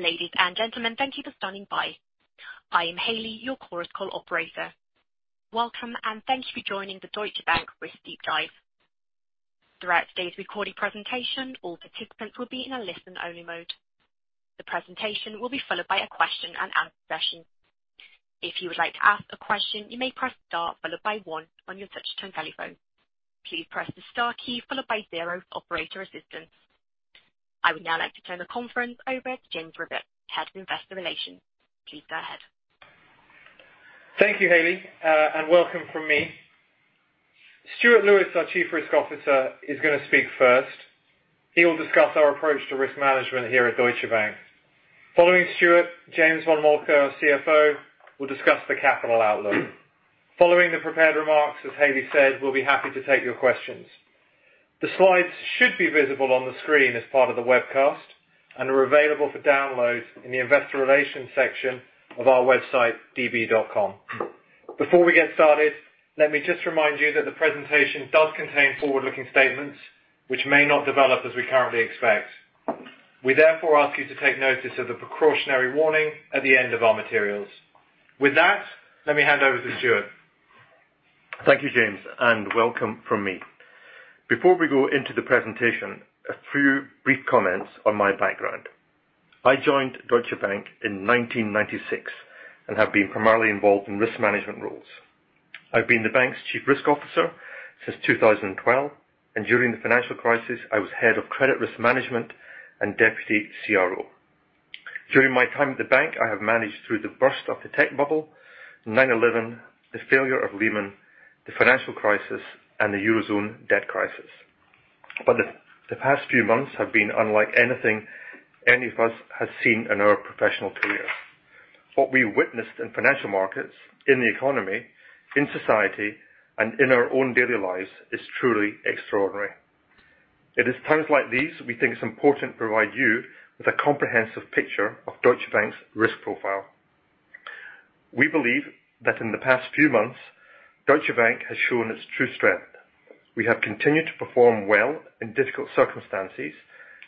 Ladies and gentlemen, thank you for standing by. I am Hailey, your Chorus Call operator. Welcome, and thanks for joining the Deutsche Bank Risk Deep Dive. Throughout today's recorded presentation, all participants will be in a listen-only mode. The presentation will be followed by a question and answer session. If you would like to ask a question, you may press star followed by 1 on your touchtone telephone. Please press the star key followed by 0 for operator assistance. I would now like to turn the conference over to James Rivett, Head of Investor Relations. Please go ahead. Thank you, Hailey, and welcome from me. Stuart Lewis, our Chief Risk Officer, is going to speak first. He will discuss our approach to risk management here at Deutsche Bank. Following Stuart, James von Moltke, our CFO, will discuss the capital outlook. Following the prepared remarks, as Hailey said, we'll be happy to take your questions. The slides should be visible on the screen as part of the webcast and are available for download in the Investor Relations section of our website, db.com. Before we get started, let me just remind you that the presentation does contain forward-looking statements which may not develop as we currently expect. We therefore ask you to take notice of the precautionary warning at the end of our materials. With that, let me hand over to Stuart. Thank you, James, and welcome from me. Before we go into the presentation, a few brief comments on my background. I joined Deutsche Bank in 1996 and have been primarily involved in risk management roles. I've been the bank's Chief Risk Officer since 2012, and during the financial crisis, I was head of credit risk management and Deputy CRO. During my time at the bank, I have managed through the burst of the tech bubble, 9/11, the failure of Lehman, the financial crisis, and the Eurozone debt crisis. The past few months have been unlike anything any of us has seen in our professional career. What we witnessed in financial markets, in the economy, in society, and in our own daily lives, is truly extraordinary. It is times like these we think it's important to provide you with a comprehensive picture of Deutsche Bank's risk profile. We believe that in the past few months, Deutsche Bank has shown its true strength. We have continued to perform well in difficult circumstances,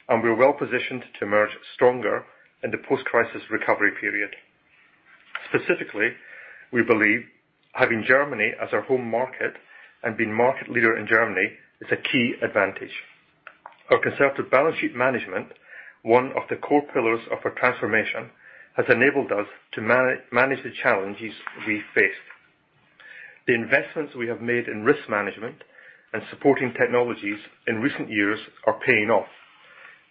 and we are well-positioned to emerge stronger in the post-crisis recovery period. Specifically, we believe having Germany as our home market and being market leader in Germany is a key advantage. Our conservative balance sheet management, one of the core pillars of our transformation, has enabled us to manage the challenges we face. The investments we have made in risk management and supporting technologies in recent years are paying off,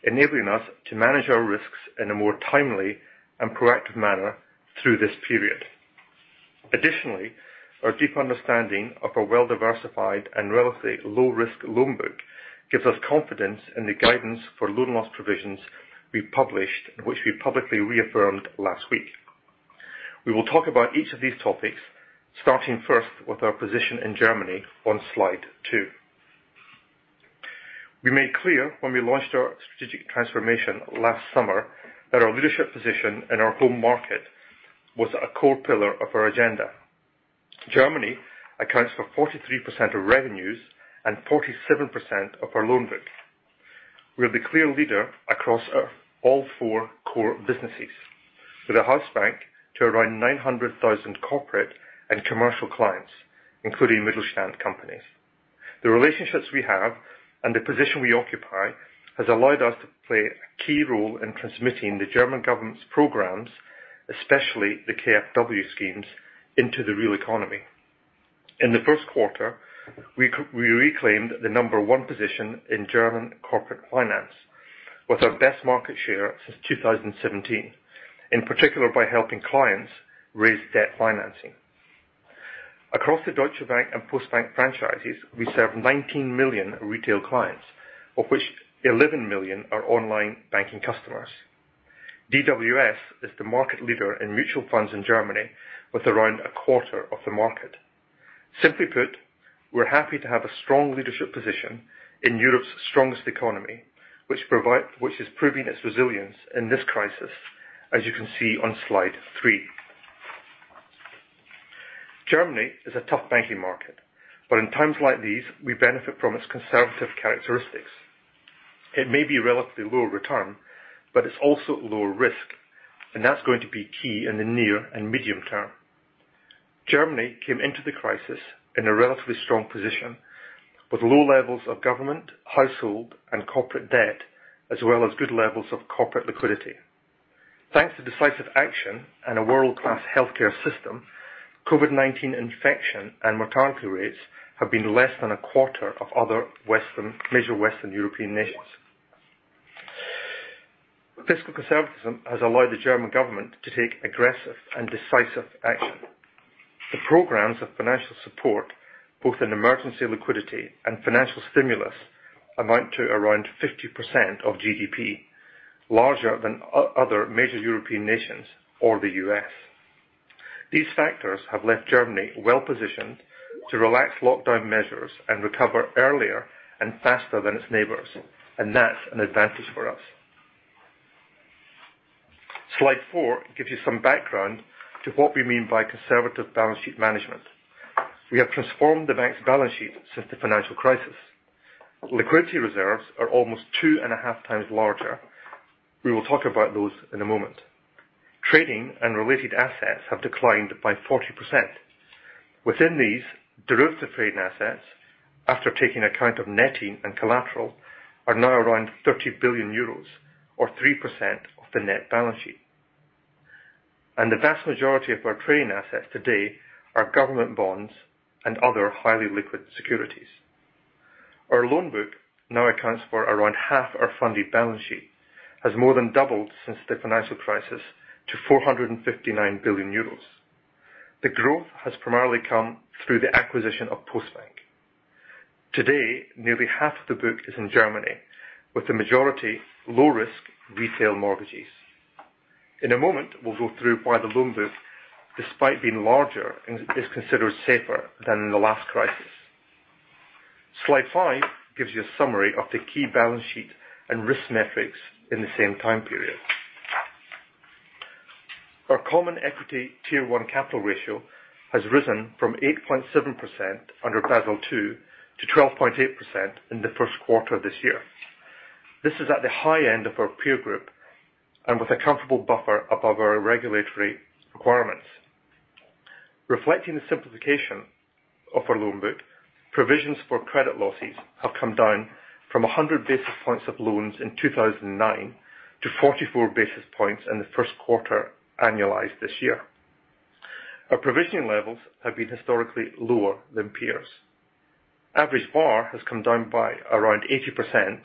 enabling us to manage our risks in a more timely and proactive manner through this period. Additionally, our deep understanding of our well-diversified and relatively low-risk loan book gives us confidence in the guidance for loan loss provisions we published, which we publicly reaffirmed last week. We will talk about each of these topics, starting first with our position in Germany on slide two. We made clear when we launched our strategic transformation last summer that our leadership position in our home market was a core pillar of our agenda. Germany accounts for 43% of revenues and 47% of our loan book. We're the clear leader across all four core businesses, with a house bank to around 900,000 corporate and commercial clients, including Mittelstand companies. The relationships we have and the position we occupy has allowed us to play a key role in transmitting the German government's programs, especially the KfW schemes, into the real economy. In the first quarter, we reclaimed the number 1 position in German corporate finance with our best market share since 2017, in particular by helping clients raise debt financing. Across the Deutsche Bank and Postbank franchises, we serve 19 million retail clients, of which 11 million are online banking customers. DWS is the market leader in mutual funds in Germany with around 1/4 of the market. Simply put, we're happy to have a strong leadership position in Europe's strongest economy, which is proving its resilience in this crisis as you can see on slide three. Germany is a tough banking market, but in times like these, we benefit from its conservative characteristics. It may be relatively lower return, but it's also lower risk, and that's going to be key in the near and medium term. Germany came into the crisis in a relatively strong position with low levels of government, household, and corporate debt, as well as good levels of corporate liquidity. Thanks to decisive action and a world-class healthcare system, COVID-19 infection and mortality rates have been less than 1/4 of other major Western European nations. Fiscal conservatism has allowed the German government to take aggressive and decisive action. The programs of financial support, both in emergency liquidity and financial stimulus, amount to around 50% of GDP, larger than other major European nations or the U.S. These factors have left Germany well-positioned to relax lockdown measures and recover earlier and faster than its neighbors, and that's an advantage for us. Slide four gives you some background to what we mean by conservative balance sheet management. We have transformed the bank's balance sheet since the financial crisis. Liquidity reserves are almost 2.5 times larger. We will talk about those in a moment. Trading and related assets have declined by 40%. Within these, derivative trading assets, after taking account of netting and collateral, are now around 30 billion euros or 3% of the net balance sheet. The vast majority of our trading assets today are government bonds and other highly liquid securities. Our loan book now accounts for around half our funded balance sheet, has more than doubled since the financial crisis to 459 billion euros. The growth has primarily come through the acquisition of Postbank. Today, nearly half the book is in Germany, with the majority low risk retail mortgages. In a moment, we'll go through why the loan book, despite being larger, is considered safer than in the last crisis. Slide five gives you a summary of the key balance sheet and risk metrics in the same time period. Our common equity Tier 1 capital ratio has risen from 8.7% under Basel II to 12.8% in the first quarter of this year. This is at the high end of our peer group and with a comfortable buffer above our regulatory requirements. Reflecting the simplification of our loan book, provisions for credit losses have come down from 100 basis points of loans in 2009 to 44 basis points in the first quarter annualized this year. Our provisioning levels have been historically lower than peers. Average VaR has come down by around 80%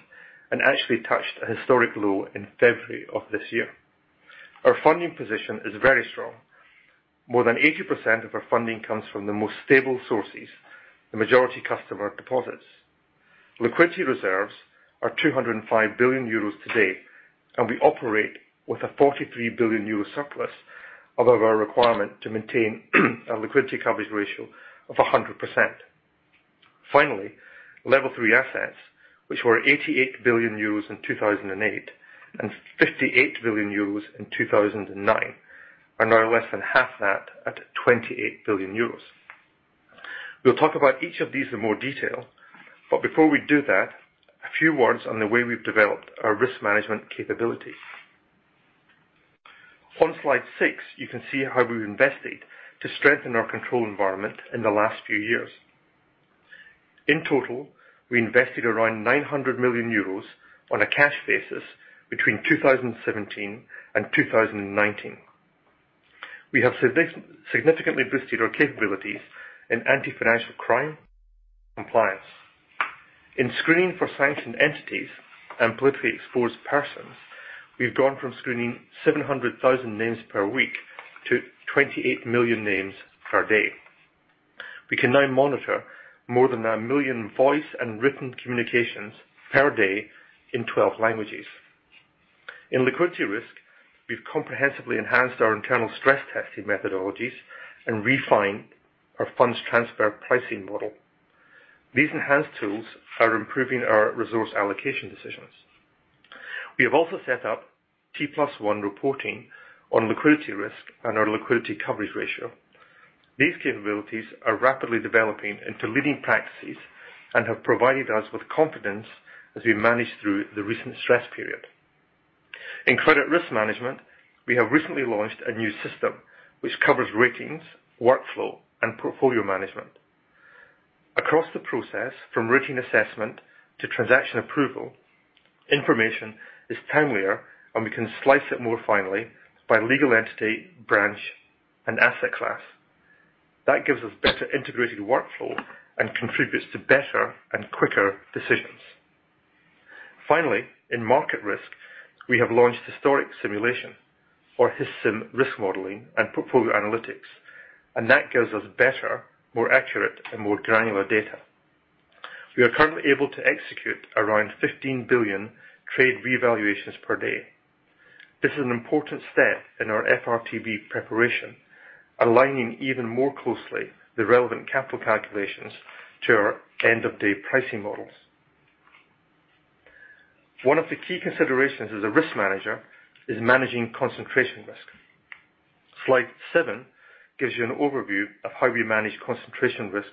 and actually touched a historic low in February of this year. Our funding position is very strong. More than 80% of our funding comes from the most stable sources, the majority customer deposits. Liquidity reserves are 205 billion euros today, and we operate with a 43 billion euro surplus above our requirement to maintain a liquidity coverage ratio of 100%. Finally, Level 3 assets, which were 88 billion euros in 2008 and 58 billion euros in 2009, are now less than half that at 28 billion euros. We will talk about each of these in more detail. Before we do that, a few words on the way we've developed our risk management capabilities. On slide six, you can see how we've invested to strengthen our control environment in the last few years. In total, we invested around 900 million euros on a cash basis between 2017 and 2019. We have significantly boosted our capabilities in anti-financial crime compliance. In screening for sanctioned entities and politically exposed persons, we've gone from screening 700,000 names per week to 28 million names per day. We can now monitor more than a million voice and written communications per day in 12 languages. In liquidity risk, we've comprehensively enhanced our internal stress testing methodologies and refined our funds transfer pricing model. These enhanced tools are improving our resource allocation decisions. We have also set up T+1 reporting on liquidity risk and our liquidity coverage ratio. These capabilities are rapidly developing into leading practices and have provided us with confidence as we manage through the recent stress period. In credit risk management, we have recently launched a new system which covers ratings, workflow, and portfolio management. Across the process, from routine assessment to transaction approval, information is timelier, and we can slice it more finely by legal entity, branch, and asset class. That gives us better integrated workflow and contributes to better and quicker decisions. Finally, in market risk, we have launched Historical Simulation or HistSim risk modeling and portfolio analytics, That gives us better, more accurate, and more granular data. We are currently able to execute around 15 billion trade revaluations per day. This is an important step in our FRTB preparation, aligning even more closely the relevant capital calculations to our end-of-day pricing models. One of the key considerations as a risk manager is managing concentration risk. Slide seven gives you an overview of how we manage concentration risk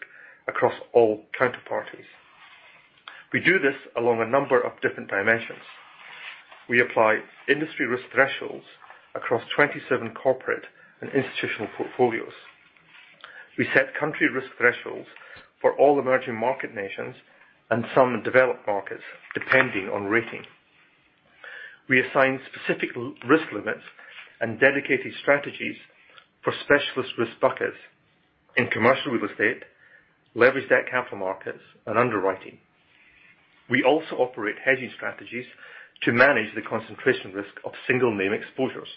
across all counterparties. We do this along a number of different dimensions. We apply industry risk thresholds across 27 corporate and institutional portfolios. We set country risk thresholds for all emerging market nations and some developed markets, depending on rating. We assign specific risk limits and dedicated strategies for specialist risk buckets in commercial real estate, leveraged debt capital markets, and underwriting. We also operate hedging strategies to manage the concentration risk of single name exposures.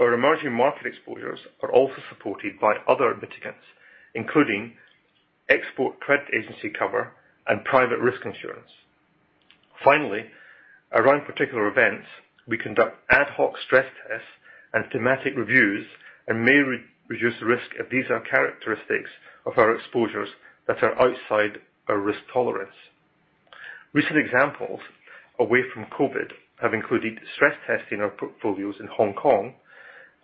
Our emerging market exposures are also supported by other mitigants, including Export Credit Agency cover and private risk insurance. Finally, around particular events, we conduct ad hoc stress tests and thematic reviews and may reduce risk if these are characteristics of our exposures that are outside our risk tolerance. Recent examples away from COVID have included stress testing our portfolios in Hong Kong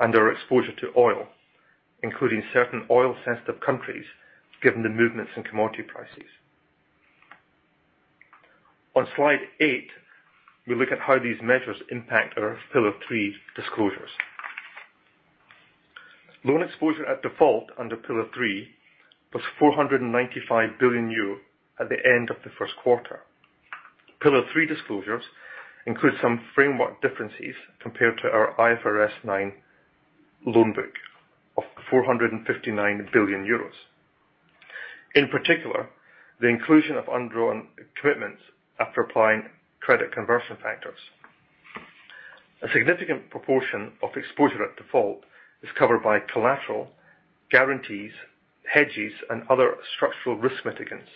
and our exposure to oil, including certain oil-sensitive countries, given the movements in commodity prices. On slide eight, we look at how these measures impact our Pillar 3 disclosures. Loan exposure at default under Pillar 3 was 495 billion at the end of the first quarter. Pillar 3 disclosures include some framework differences compared to our IFRS 9 loan book of 459 billion euros. In particular, the inclusion of undrawn commitments after applying credit conversion factors. A significant proportion of exposure at default is covered by collateral, guarantees, hedges, and other structural risk mitigants,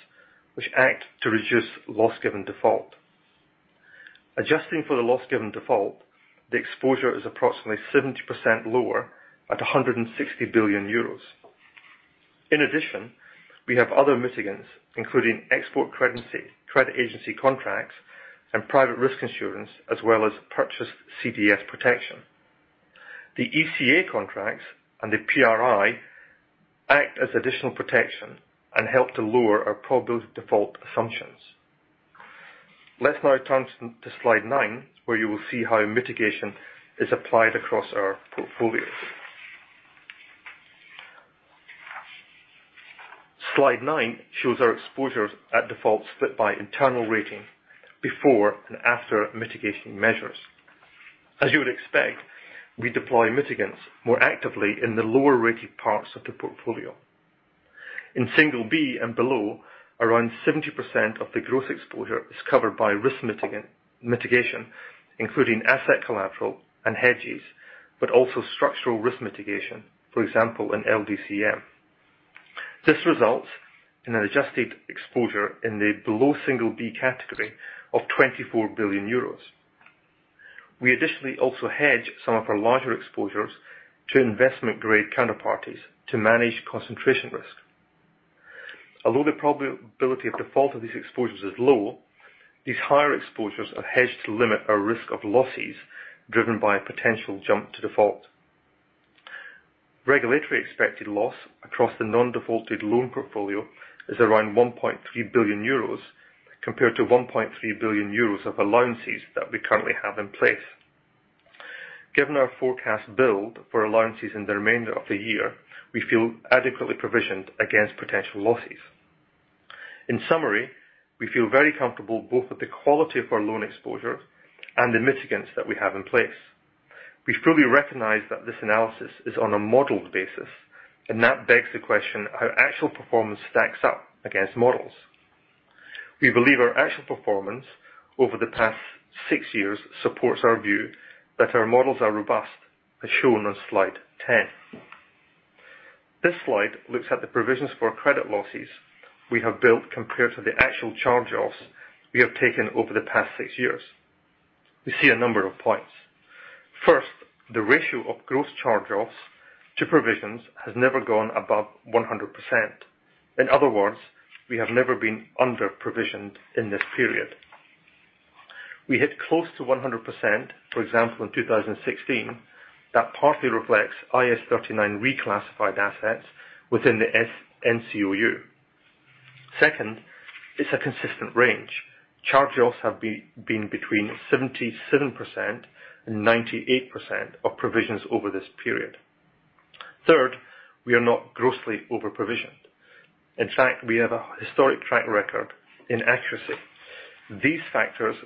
which act to reduce loss given default. Adjusting for the loss given default, the exposure is approximately 70% lower at 160 billion euros. In addition, we have other mitigants, including Export Credit Agency contracts and private risk insurance, as well as purchased CDS protection. The ECA contracts and the PRI act as additional protection and help to lower our probable default assumptions. Let's now turn to slide nine, where you will see how mitigation is applied across our portfolios. Slide nine shows our exposures at defaults split by internal rating before and after mitigation measures. As you would expect, we deploy mitigants more actively in the lower-rated parts of the portfolio. In single B and below, around 70% of the gross exposure is covered by risk mitigation, including asset collateral and hedges, but also structural risk mitigation, for example, in LDCM. This results in an adjusted exposure in the below single B category of 24 billion euros. We additionally also hedge some of our larger exposures to investment-grade counterparties to manage concentration risk. Although the probability of default of these exposures is low, these higher exposures are hedged to limit our risk of losses driven by a potential jump to default. Regulatory expected loss across the non-defaulted loan portfolio is around 1.3 billion euros, compared to 1.3 billion euros of allowances that we currently have in place. Given our forecast build for allowances in the remainder of the year, we feel adequately provisioned against potential losses. In summary, we feel very comfortable both with the quality of our loan exposure and the mitigants that we have in place. We fully recognize that this analysis is on a modeled basis, and that begs the question how actual performance stacks up against models. We believe our actual performance over the past six years supports our view that our models are robust, as shown on slide 10. This slide looks at the provisions for credit losses we have built compared to the actual charge-offs we have taken over the past six years. We see a number of points. First, the ratio of gross charge-offs to provisions has never gone above 100%. In other words, we have never been under-provisioned in this period. We hit close to 100%, for example, in 2016. That partly reflects IAS 39 reclassified assets within the NCOU. Second, it's a consistent range. Charge-offs have been between 77%-98% of provisions over this period. Third, we are not grossly over-provisioned. In fact, we have a historic track record in accuracy. These factors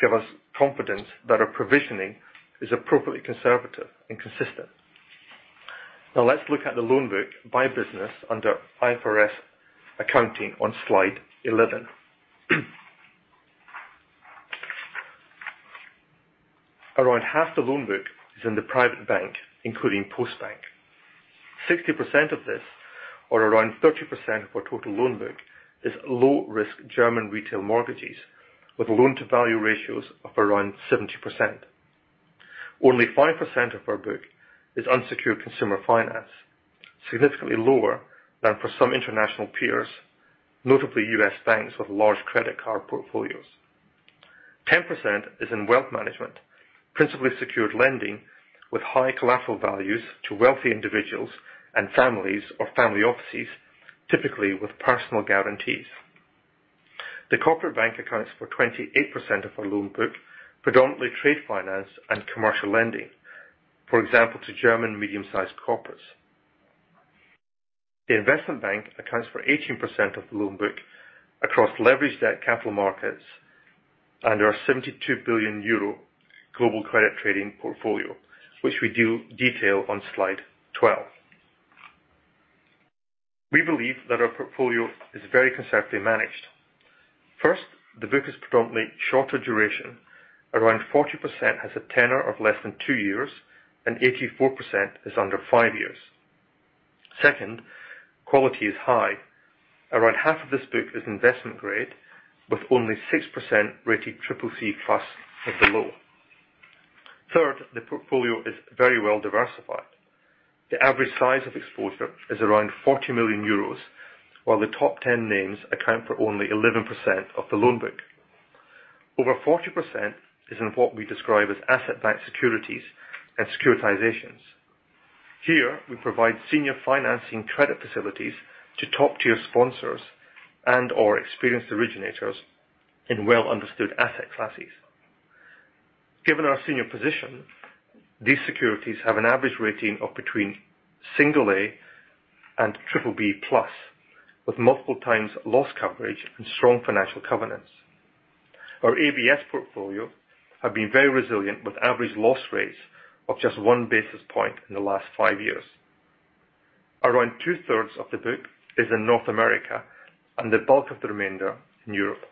give us confidence that our provisioning is appropriately conservative and consistent. Now let's look at the loan book by business under IFRS accounting on slide 11. Around half the loan book is in the private bank, including Postbank. 60% of this, or around 30% of our total loan book, is low-risk German retail mortgages with loan-to-value ratios of around 70%. Only 5% of our book is unsecured consumer finance, significantly lower than for some international peers, notably U.S. banks with large credit card portfolios. 10% is in wealth management, principally secured lending with high collateral values to wealthy individuals and families or family offices, typically with personal guarantees. The corporate bank accounts for 28% of our loan book, predominantly trade finance and commercial lending, for example, to German medium-sized corporates. The investment bank accounts for 18% of the loan book across leveraged debt capital markets and our 72 billion euro global credit trading portfolio, which we do detail on slide 12. We believe that our portfolio is very conservatively managed. First, the book is predominantly shorter duration. Around 40% has a tenor of less than two years, and 84% is under five years. Second, quality is high. Around half of this book is investment grade, with only 6% rated triple C plus or below. Third, the portfolio is very well diversified. The average size of exposure is around 40 million euros, while the top 10 names account for only 11% of the loan book. Over 40% is in what we describe as asset-backed securities and securitizations. Here, we provide senior financing credit facilities to top-tier sponsors and/or experienced originators in well-understood asset classes. Given our senior position, these securities have an average rating of between single A and triple B plus, with multiple times loss coverage and strong financial covenants. Our ABS portfolio have been very resilient, with average loss rates of just one basis point in the last five years. Around two-thirds of the book is in North America, and the bulk of the remainder in Europe.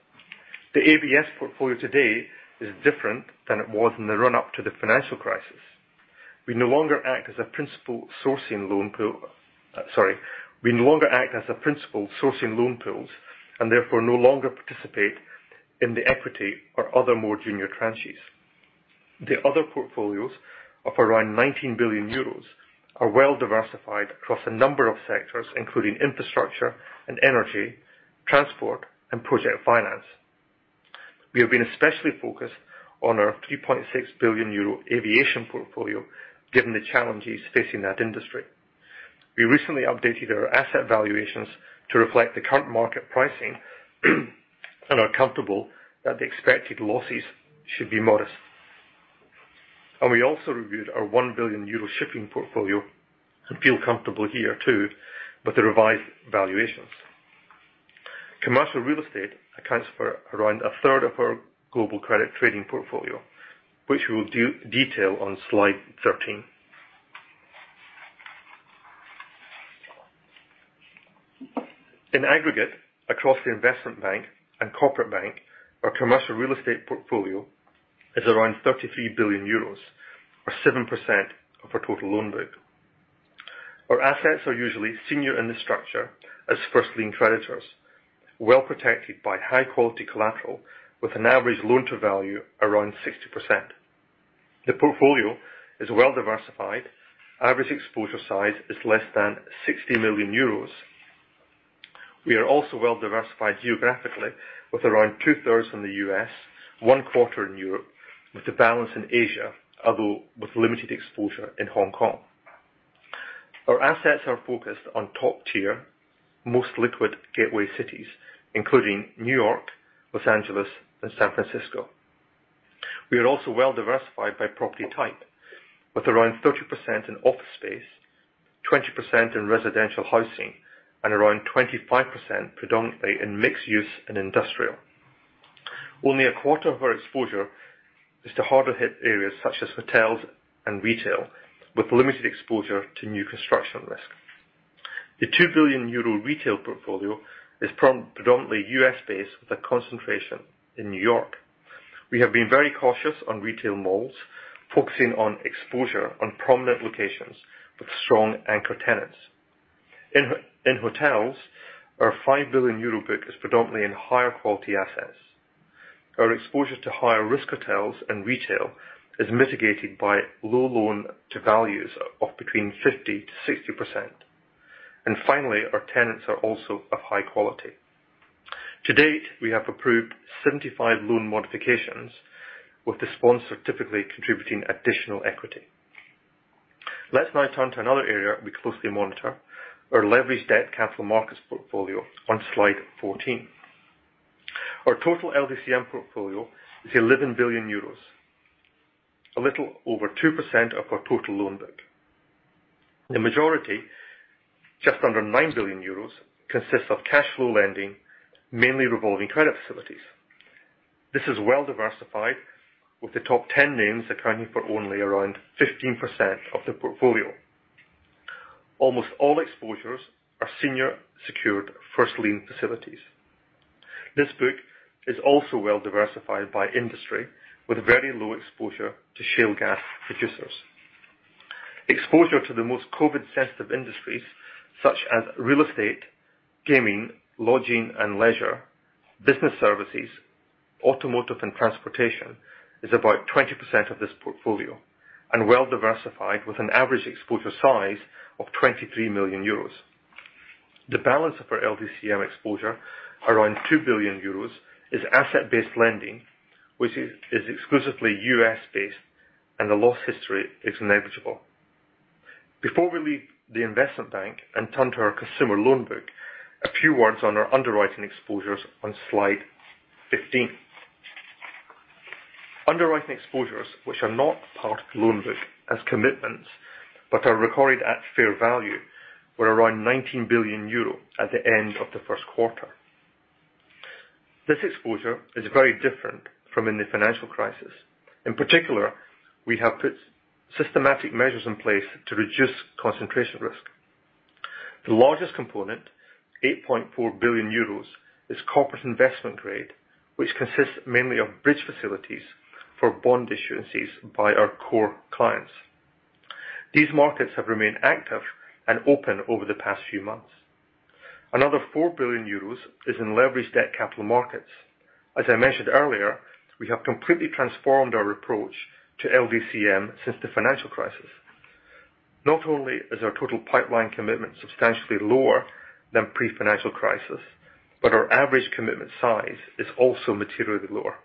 The ABS portfolio today is different than it was in the run-up to the financial crisis. We no longer act as a principal source in loan pools, and therefore no longer participate in the equity or other more junior tranches. The other portfolios of around 19 billion euros are well diversified across a number of sectors, including infrastructure and energy, transport, and project finance. We have been especially focused on our 3.6 billion euro aviation portfolio, given the challenges facing that industry. We recently updated our asset valuations to reflect the current market pricing and are comfortable that the expected losses should be modest. And we also reviewed our 1 billion euro shipping portfolio, and feel comfortable here too with the revised valuations. Commercial real estate accounts for around a third of our global credit trading portfolio, which we will detail on slide 13. In aggregate, across the investment bank and corporate bank, our commercial real estate portfolio is around 33 billion euros or 7% of our total loan book. Our assets are usually senior in the structure as first-lien creditors, well protected by high-quality collateral with an average loan-to-value around 60%. The portfolio is well diversified. Average exposure size is less than 60 million euros. We are also well diversified geographically with around two-thirds in the U.S., one-quarter in Europe, with the balance in Asia, although with limited exposure in Hong Kong. Our assets are focused on top-tier, most liquid gateway cities, including New York, Los Angeles, and San Francisco. We are also well diversified by property type, with around 30% in office space, 20% in residential housing, and around 25% predominantly in mixed use and industrial. Only a quarter of our exposure is to harder hit areas such as hotels and retail, with limited exposure to new construction risk. The 2 billion euro retail portfolio is predominantly U.S.-based, with a concentration in New York. We have been very cautious on retail malls, focusing on exposure on prominent locations with strong anchor tenants. In hotels, our 5 billion euro book is predominantly in higher quality assets. Our exposure to higher risk hotels and retail is mitigated by low loan to values of between 50%-60%. Finally, our tenants are also of high quality. To date, we have approved 75 loan modifications, with the sponsor typically contributing additional equity. Let's now turn to another area we closely monitor, our leveraged debt capital markets portfolio on slide 14. Our total LDCM portfolio is 11 billion euros. A little over 2% of our total loan book. The majority, just under 9 billion euros, consists of cash flow lending, mainly revolving credit facilities. This is well diversified, with the top 10 names accounting for only around 15% of the portfolio. Almost all exposures are senior secured first lien facilities. This book is also well diversified by industry, with very low exposure to shale gas producers. Exposure to the most COVID sensitive industries such as real estate, gaming, lodging and leisure, business services, automotive and transportation, is about 20% of this portfolio, and well diversified with an average exposure size of 23 million euros. The balance of our LDCM exposure, around 2 billion euros, is asset-based lending, which is exclusively U.S.-based, and the loss history is negligible. Before we leave the investment bank and turn to our consumer loan book, a few words on our underwriting exposures on slide 15. Underwriting exposures, which are not part loan book as commitments, but are recorded at fair value, were around 19 billion euro at the end of the first quarter. This exposure is very different from in the financial crisis. In particular, we have put systematic measures in place to reduce concentration risk. The largest component, 8.4 billion euros, is corporate investment grade, which consists mainly of bridge facilities for bond issuances by our core clients. These markets have remained active and open over the past few months. Another 4 billion euros is in leveraged debt capital markets. As I mentioned earlier, we have completely transformed our approach to LDCM since the financial crisis. Not only is our total pipeline commitment substantially lower than pre-financial crisis, but our average commitment size is also materially lower.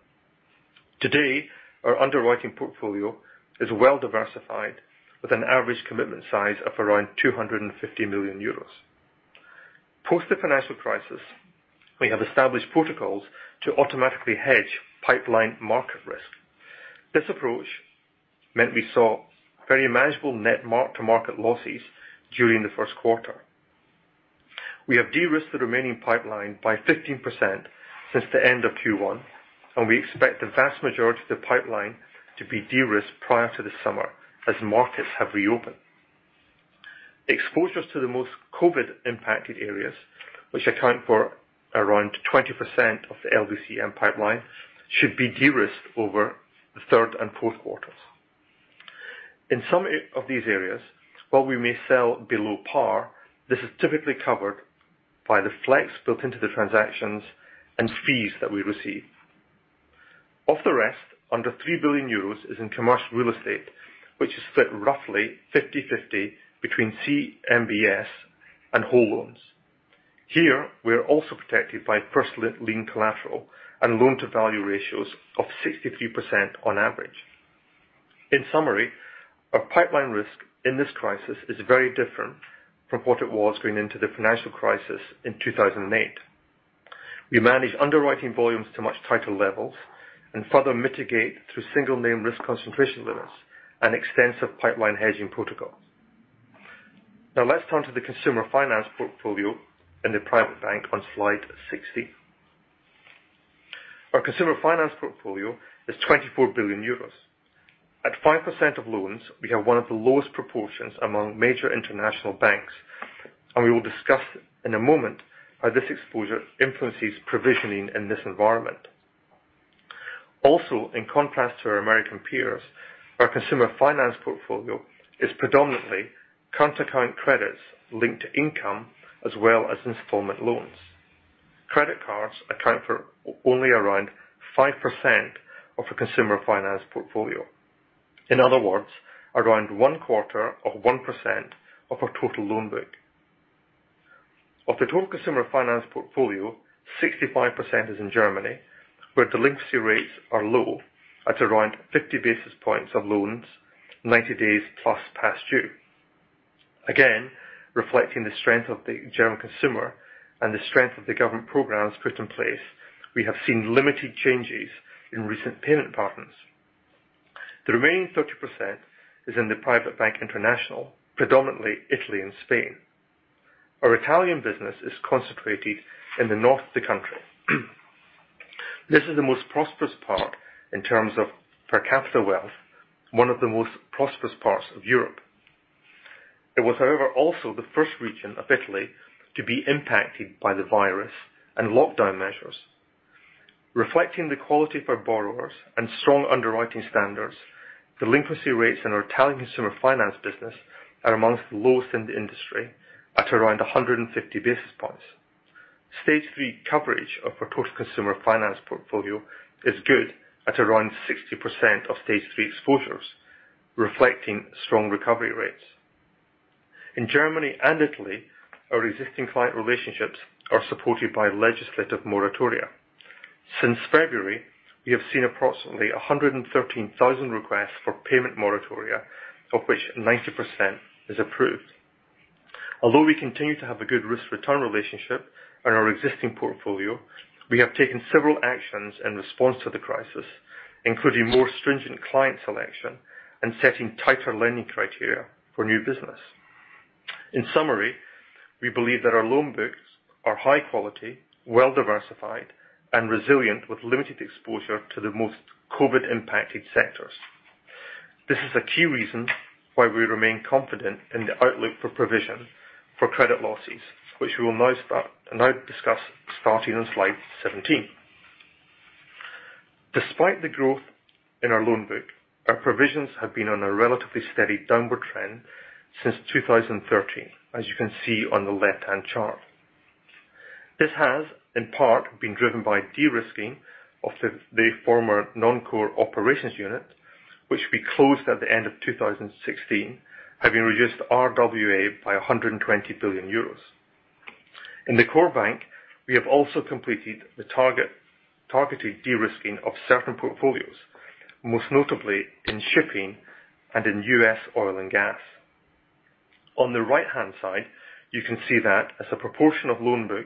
Today, our underwriting portfolio is well diversified with an average commitment size of around 250 million euros. Post the financial crisis, we have established protocols to automatically hedge pipeline market risk. This approach meant we saw very manageable net mark-to-market losses during the first quarter. We have de-risked the remaining pipeline by 15% since the end of Q1, and we expect the vast majority of the pipeline to be de-risked prior to the summer, as markets have reopened. Exposures to the most COVID-impacted areas, which account for around 20% of the LDCM pipeline, should be de-risked over the third and fourth quarters. In some of these areas, while we may sell below par, this is typically covered by the flex built into the transactions and fees that we receive. Of the rest, under 3 billion euros is in commercial real estate, which is split roughly 50/50 between CMBS and whole loans. Here, we are also protected by personal lien collateral and loan-to-value ratios of 63% on average. In summary, our pipeline risk in this crisis is very different from what it was going into the financial crisis in 2008. We manage underwriting volumes to much tighter levels, and further mitigate through single name risk concentration limits and extensive pipeline hedging protocols. Now let's turn to the consumer finance portfolio in the Private Bank on slide 16. Our consumer finance portfolio is 24 billion euros. At 5% of loans, we have one of the lowest proportions among major international banks, and we will discuss in a moment how this exposure influences provisioning in this environment. Also, in contrast to our American peers, our consumer finance portfolio is predominantly current account credits linked to income as well as installment loans. Credit cards account for only around 5% of the consumer finance portfolio. In other words, around one quarter of 1% of our total loan book. Of the total consumer finance portfolio, 65% is in Germany, where delinquency rates are low at around 50 basis points of loans, 90 days past due. Again, reflecting the strength of the German consumer and the strength of the government programs put in place, we have seen limited changes in recent payment patterns. The remaining 30% is in the Private Bank International, predominantly Italy and Spain. Our Italian business is concentrated in the north of the country. This is the most prosperous part in terms of per capita wealth, one of the most prosperous parts of Europe. It was, however, also the first region of Italy to be impacted by the virus and lockdown measures. Reflecting the quality of our borrowers and strong underwriting standards, delinquency rates in our Italian consumer finance business are amongst the lowest in the industry at around 150 basis points. Stage 3 coverage of our total consumer finance portfolio is good at around 60% of Stage 3 exposures, reflecting strong recovery rates. In Germany and Italy, our existing client relationships are supported by legislative moratoria. Since February, we have seen approximately 113,000 requests for payment moratoria, of which 90% is approved. Although we continue to have a good risk-return relationship on our existing portfolio, we have taken several actions in response to the crisis, including more stringent client selection and setting tighter lending criteria for new business. In summary, we believe that our loan books are high quality, well diversified, and resilient with limited exposure to the most COVID-impacted sectors. This is a key reason why we remain confident in the outlook for provision for credit losses, which we will now discuss starting on slide 17. Despite the growth in our loan book, our provisions have been on a relatively steady downward trend since 2013, as you can see on the left-hand chart. This has, in part, been driven by de-risking of the former non-core operations unit, which we closed at the end of 2016, having reduced RWA by 120 billion euros. In the core bank, we have also completed the targeted de-risking of certain portfolios, most notably in shipping and in U.S. oil and gas. On the right-hand side, you can see that as a proportion of loan book,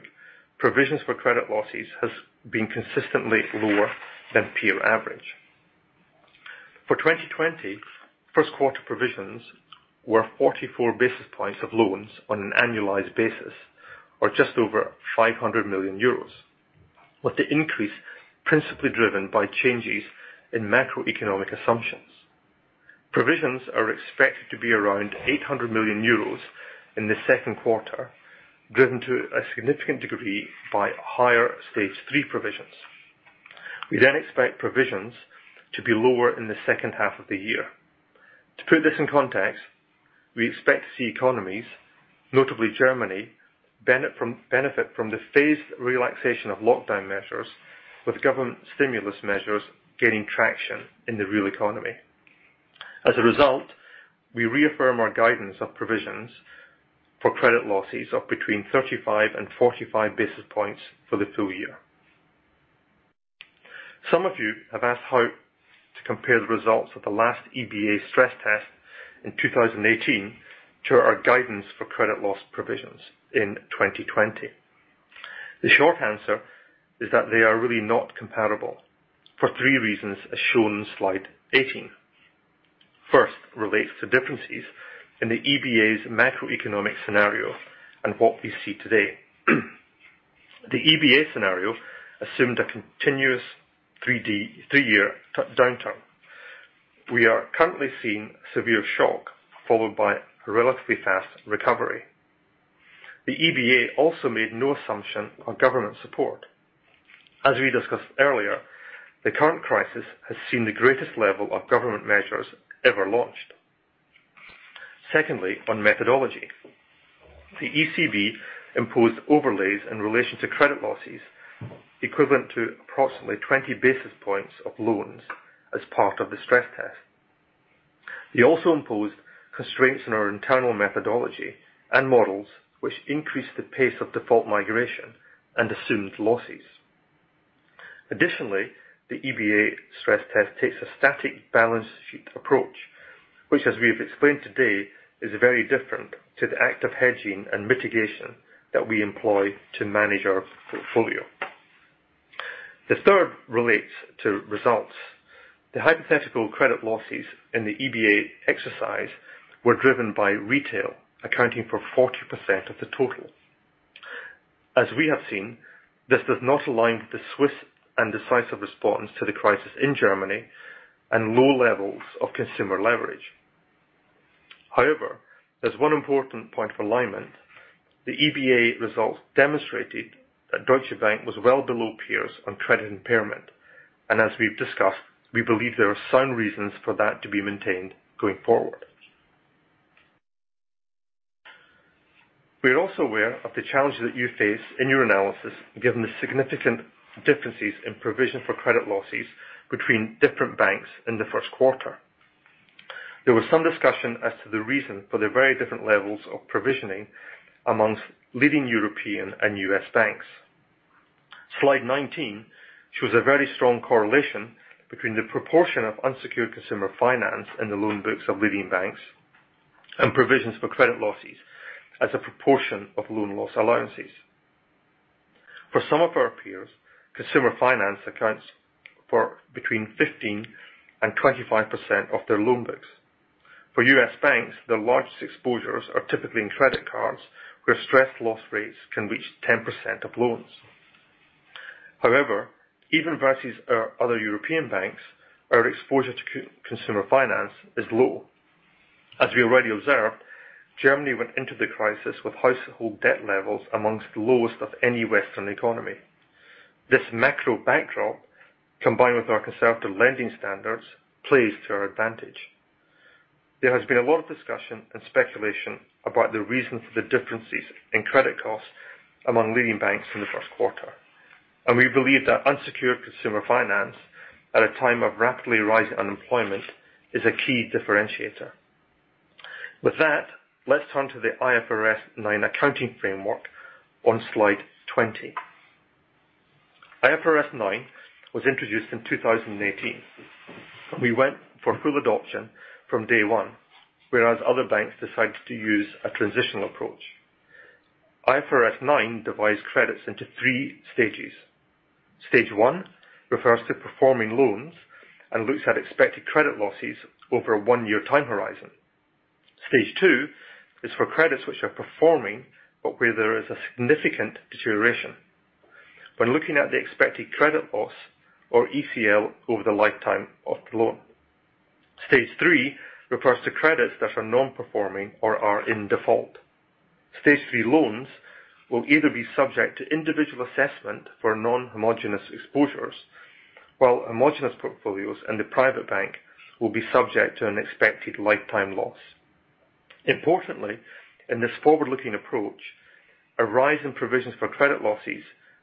provisions for credit losses has been consistently lower than peer average. For 2020, first quarter provisions were 44 basis points of loans on an annualized basis, or just over 500 million euros, with the increase principally driven by changes in macroeconomic assumptions. Provisions are expected to be around 800 million euros in the second quarter, driven to a significant degree by higher Stage 3 provisions. We expect provisions to be lower in the second half of the year. To put this in context, we expect to see economies Notably, Germany benefit from the phased relaxation of lockdown measures, with government stimulus measures gaining traction in the real economy. We reaffirm our guidance of provisions for credit losses of between 35 and 45 basis points for the full year. Some of you have asked how to compare the results of the last EBA stress test in 2018 to our guidance for credit loss provisions in 2020. The short answer is that they are really not comparable for three reasons, as shown in slide 18. First relates to differences in the EBA's macroeconomic scenario and what we see today. The EBA scenario assumed a continuous three-year downturn. We are currently seeing severe shock followed by a relatively fast recovery. The EBA also made no assumption on government support. The current crisis has seen the greatest level of government measures ever launched. Secondly, on methodology. The ECB imposed overlays in relation to credit losses equivalent to approximately 20 basis points of loans as part of the stress test. They also imposed constraints on our internal methodology and models, which increased the pace of default migration and assumed losses. The EBA stress test takes a static balance sheet approach, which, as we have explained today, is very different to the active hedging and mitigation that we employ to manage our portfolio. The third relates to results. The hypothetical credit losses in the EBA exercise were driven by retail, accounting for 40% of the total. This does not align with the swift and decisive response to the crisis in Germany and low levels of consumer leverage. There's one important point for alignment. The EBA results demonstrated that Deutsche Bank was well below peers on credit impairment, and as we've discussed, we believe there are sound reasons for that to be maintained going forward. We are also aware of the challenges that you face in your analysis, given the significant differences in provision for credit losses between different banks in the first quarter. There was some discussion as to the reason for the very different levels of provisioning amongst leading European and U.S. banks. Slide 19 shows a very strong correlation between the proportion of unsecured consumer finance in the loan books of leading banks and provisions for credit losses as a proportion of loan loss allowances. For some of our peers, consumer finance accounts for between 15% and 25% of their loan books. For U.S. banks, the largest exposures are typically in credit cards, where stressed loss rates can reach 10% of loans. However, even versus our other European banks, our exposure to consumer finance is low. As we already observed, Germany went into the crisis with household debt levels amongst the lowest of any Western economy. This macro backdrop, combined with our conservative lending standards, plays to our advantage. There has been a lot of discussion and speculation about the reason for the differences in credit costs among leading banks in the first quarter, and we believe that unsecured consumer finance at a time of rapidly rising unemployment is a key differentiator. With that, let's turn to the IFRS 9 accounting framework on slide 20. IFRS 9 was introduced in 2018. We went for full adoption from day one, whereas other banks decided to use a transitional approach. IFRS 9 divides credits into 3 stages. Stage 1 refers to performing loans and looks at expected credit losses over a one-year time horizon. Stage 2 is for credits which are performing, but where there is a significant deterioration when looking at the expected credit loss or ECL over the lifetime of the loan. Stage 3 refers to credits that are non-performing or are in default. Stage 3 loans will either be subject to individual assessment for non-homogeneous exposures, while homogeneous portfolios and the private bank will be subject to an expected lifetime loss. Importantly, in this forward-looking approach, a rise in provisions for credit losses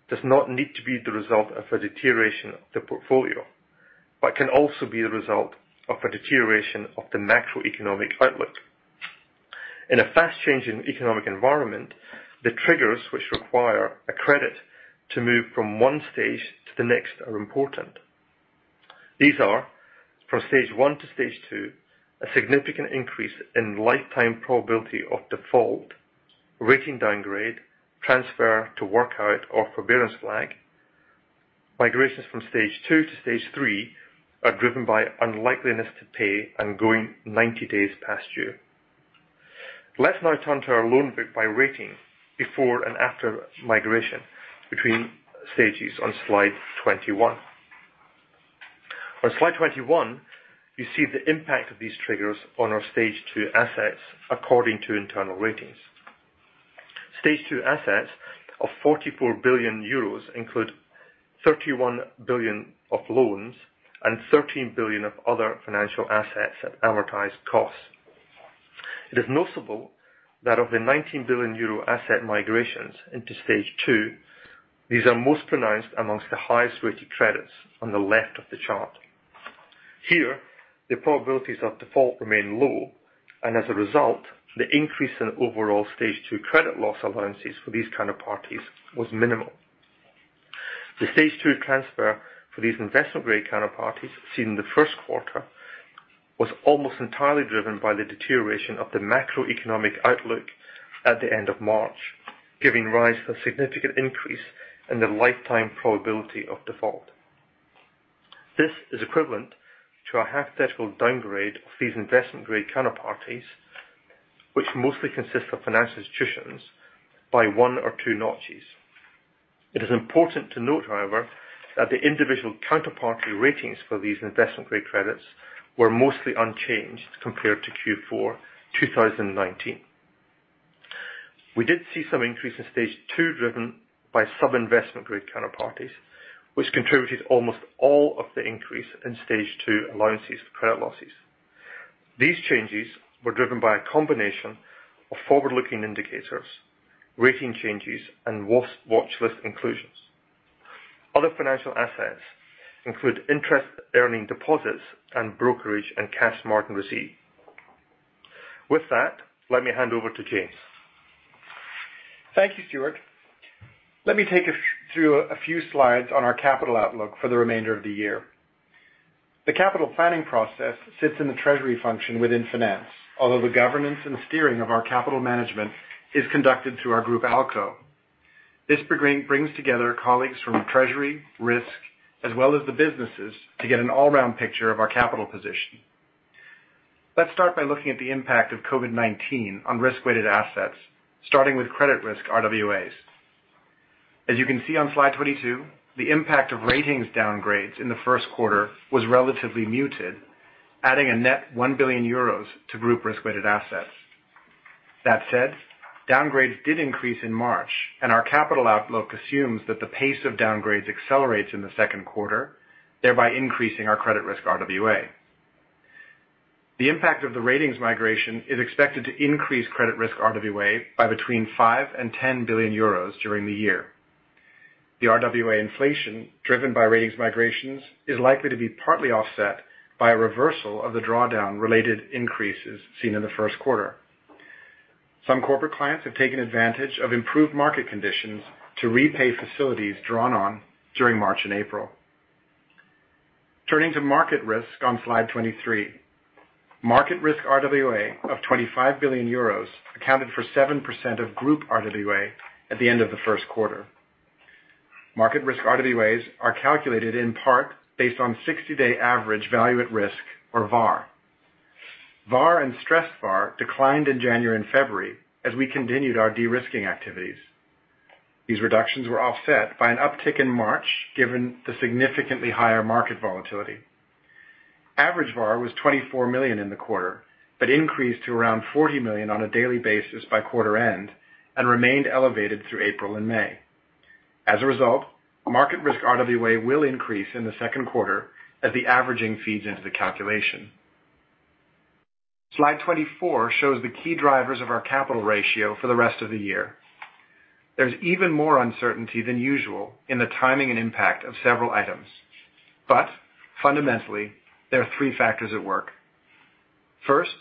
does not need to be the result of a deterioration of the portfolio, but can also be the result of a deterioration of the macroeconomic outlook. In a fast-changing economic environment, the triggers which require a credit to move from 1 stage to the next are important. These are from Stage 1 to Stage 2, a significant increase in lifetime probability of default, rating downgrade, transfer to workout or forbearance flag. Migrations from Stage 2 to Stage 3 are driven by unlikeliness to pay and going 90 days past due. Let's now turn to our loan book by rating, before and after migration between stages on slide 21. On slide 21, you see the impact of these triggers on our Stage 2 assets according to internal ratings. Stage 2 assets of 44 billion euros include 31 billion of loans and 13 billion of other financial assets at amortized costs. It is noticeable that of the 19 billion euro asset migrations into Stage 2, these are most pronounced amongst the highest-rated credits on the left of the chart. Here, the probabilities of default remain low, and as a result, the increase in overall Stage 2 credit loss allowances for these counterparties was minimal. The Stage 2 transfer for these investment-grade counterparties seen in the first quarter was almost entirely driven by the deterioration of the macroeconomic outlook at the end of March, giving rise to a significant increase in the lifetime probability of default. This is equivalent to a hypothetical downgrade of these investment-grade counterparties, which mostly consist of financial institutions, by one or two notches. It is important to note, however, that the individual counterparty ratings for these investment-grade credits were mostly unchanged compared to Q4 2019. We did see some increase in Stage 2 driven by sub-investment grade counterparties, which contributed almost all of the increase in Stage 2 allowances for credit losses. These changes were driven by a combination of forward-looking indicators, rating changes, and watch list inclusions. Other financial assets include interest-earning deposits and brokerage and cash margin received. With that, let me hand over to James. Thank you, Stuart. Let me take you through a few slides on our capital outlook for the remainder of the year. The capital planning process sits in the treasury function within finance, although the governance and steering of our capital management is conducted through our group ALCO. This brings together colleagues from treasury, risk, as well as the businesses to get an all-round picture of our capital position. Let's start by looking at the impact of COVID-19 on risk-weighted assets, starting with credit risk RWAs. As you can see on slide 22, the impact of ratings downgrades in the first quarter was relatively muted, adding a net 1 billion euros to group risk-weighted assets. That said, downgrades did increase in March, and our capital outlook assumes that the pace of downgrades accelerates in the second quarter, thereby increasing our credit risk RWA. The impact of the ratings migration is expected to increase credit risk RWA by between 5 billion and 10 billion euros during the year. The RWA inflation driven by ratings migrations is likely to be partly offset by a reversal of the drawdown related increases seen in the first quarter. Some corporate clients have taken advantage of improved market conditions to repay facilities drawn on during March and April. Turning to market risk on slide 23. Market risk RWA of 25 billion euros accounted for 7% of group RWA at the end of the first quarter. Market risk RWAs are calculated in part based on 60-day average Value at Risk or VaR. VaR and stress VaR declined in January and February as we continued our de-risking activities. These reductions were offset by an uptick in March, given the significantly higher market volatility. Average VaR was 24 million in the quarter, but increased to around 40 million on a daily basis by quarter end, and remained elevated through April and May. As a result, market risk RWA will increase in the second quarter as the averaging feeds into the calculation. Slide 24 shows the key drivers of our capital ratio for the rest of the year. There's even more uncertainty than usual in the timing and impact of several items. Fundamentally, there are three factors at work. First,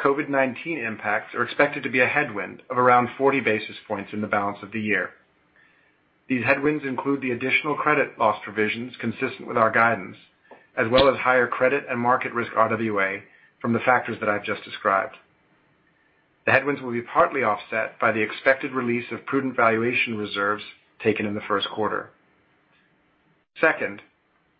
COVID-19 impacts are expected to be a headwind of around 40 basis points in the balance of the year. These headwinds include the additional Credit Loss Provisions consistent with our guidance, as well as higher credit and market risk RWA from the factors that I've just described. The headwinds will be partly offset by the expected release of prudent valuation reserves taken in the first quarter. Second,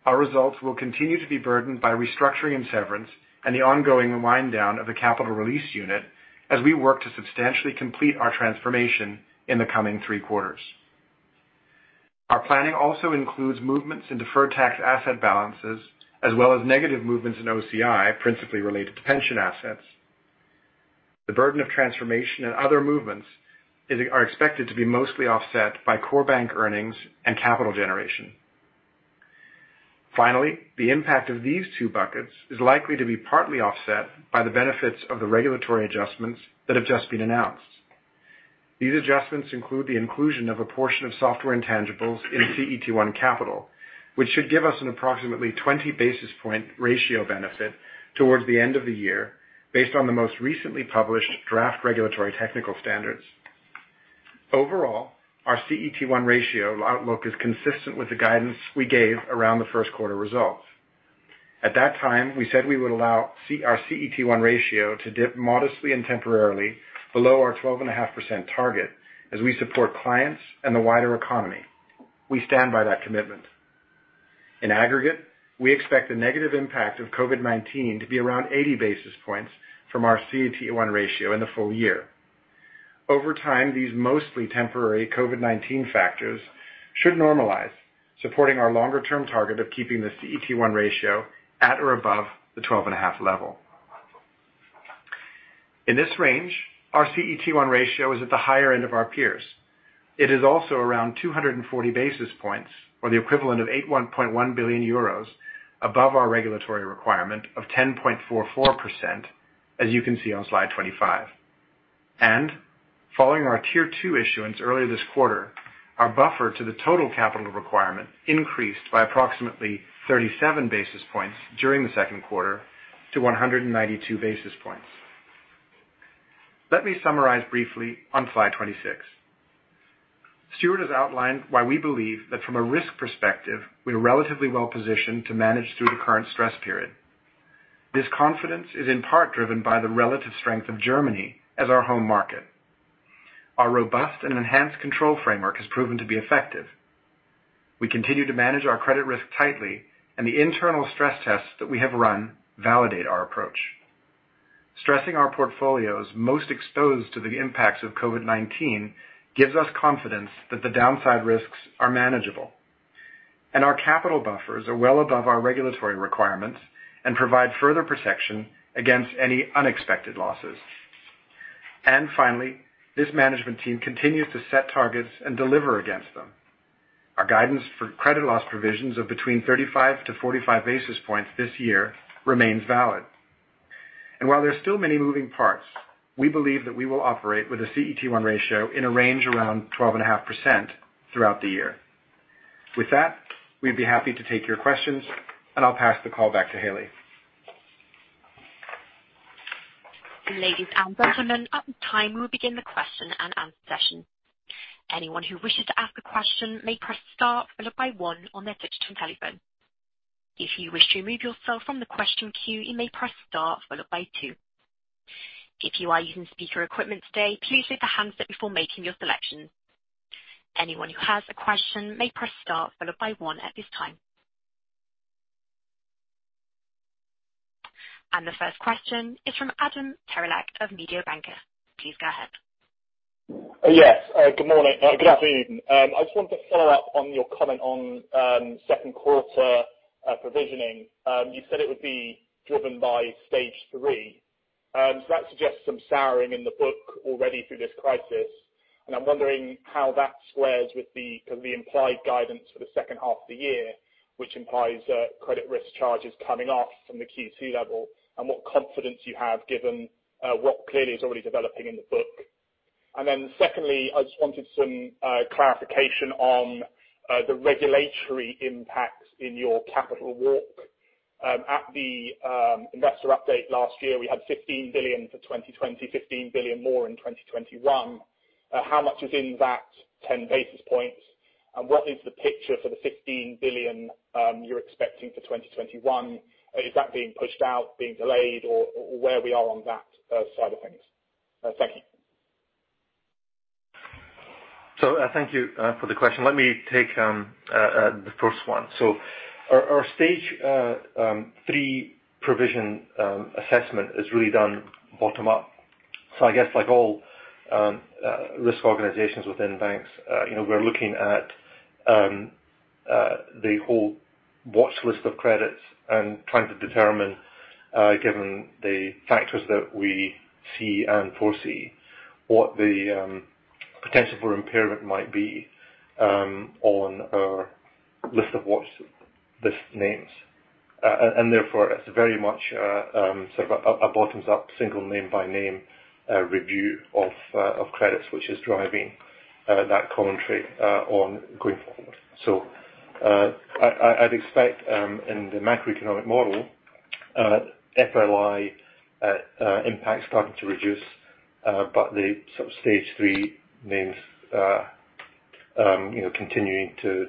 our results will continue to be burdened by restructuring and severance and the ongoing wind down of the Capital Release Unit as we work to substantially complete our transformation in the coming three quarters. Our planning also includes movements in deferred tax asset balances as well as negative movements in OCI, principally related to pension assets. The burden of transformation and other movements are expected to be mostly offset by core bank earnings and capital generation. Finally, the impact of these two buckets is likely to be partly offset by the benefits of the regulatory adjustments that have just been announced. These adjustments include the inclusion of a portion of software intangibles in CET1 capital, which should give us an approximately 20 basis point ratio benefit towards the end of the year, based on the most recently published draft regulatory technical standards. Overall, our CET1 ratio outlook is consistent with the guidance we gave around the first quarter results. At that time, we said we would allow our CET1 ratio to dip modestly and temporarily below our 12.5% target as we support clients and the wider economy. We stand by that commitment. In aggregate, we expect the negative impact of COVID-19 to be around 80 basis points from our CET1 ratio in the full year. Over time, these mostly temporary COVID-19 factors should normalize, supporting our longer-term target of keeping the CET1 ratio at or above the 12.5 level. In this range, our CET1 ratio is at the higher end of our peers. It is also around 240 basis points, or the equivalent of 81.1 billion euros above our regulatory requirement of 10.44%, as you can see on slide 25. Following our Tier 2 issuance earlier this quarter, our buffer to the total capital requirement increased by approximately 37 basis points during the second quarter to 192 basis points. Let me summarize briefly on slide 26. Stuart has outlined why we believe that from a risk perspective, we are relatively well-positioned to manage through the current stress period. This confidence is in part driven by the relative strength of Germany as our home market. Our robust and enhanced control framework has proven to be effective. We continue to manage our credit risk tightly, and the internal stress tests that we have run validate our approach. Stressing our portfolios most exposed to the impacts of COVID-19 gives us confidence that the downside risks are manageable, and our capital buffers are well above our regulatory requirements and provide further protection against any unexpected losses. Finally, this management team continues to set targets and deliver against them. Our guidance for Credit Loss Provisions of between 35-45 basis points this year remains valid. While there are still many moving parts, we believe that we will operate with a CET1 ratio in a range around 12.5% throughout the year. With that, we'd be happy to take your questions, and I'll pass the call back to Hailey. Ladies and gentlemen, at this time, we'll begin the question and answer session. Anyone who wishes to ask a question may press star followed by one on their digital telephone. If you wish to remove yourself from the question queue, you may press star followed by two. If you are using speaker equipment today, please lift the handset before making your selection. Anyone who has a question may press star followed by one at this time. The first question is from Adam Terelak of Mediobanca. Please go ahead. Yes. Good morning. Good afternoon. I just wanted to follow up on your comment on second quarter provisioning. You said it would be driven by stage 3. That suggests some souring in the book already through this crisis. I'm wondering how that squares with the implied guidance for the second half of the year, which implies credit risk charges coming off from the Q2 level, and what confidence you have given what clearly is already developing in the book. Secondly, I just wanted some clarification on the regulatory impact in your capital walk. At the investor update last year, we had $15 billion for 2020, $15 billion more in 2021. How much is in that 10 basis points? What is the picture for the $15 billion you're expecting for 2021? Is that being pushed out, being delayed, or where we are on that side of things? Thank you. Thank you for the question. Let me take the first one. Our stage 3 provision assessment is really done bottom up. I guess like all risk organizations within banks, we're looking at the whole watchlist of credits and trying to determine, given the factors that we see and foresee, what the potential for impairment might be on our list of watchlist names. Therefore, it's very much a bottoms-up, single name by name review of credits, which is driving that commentary on going forward. I'd expect in the macroeconomic model, ROI impact starting to reduce, but the stage 3 names continuing to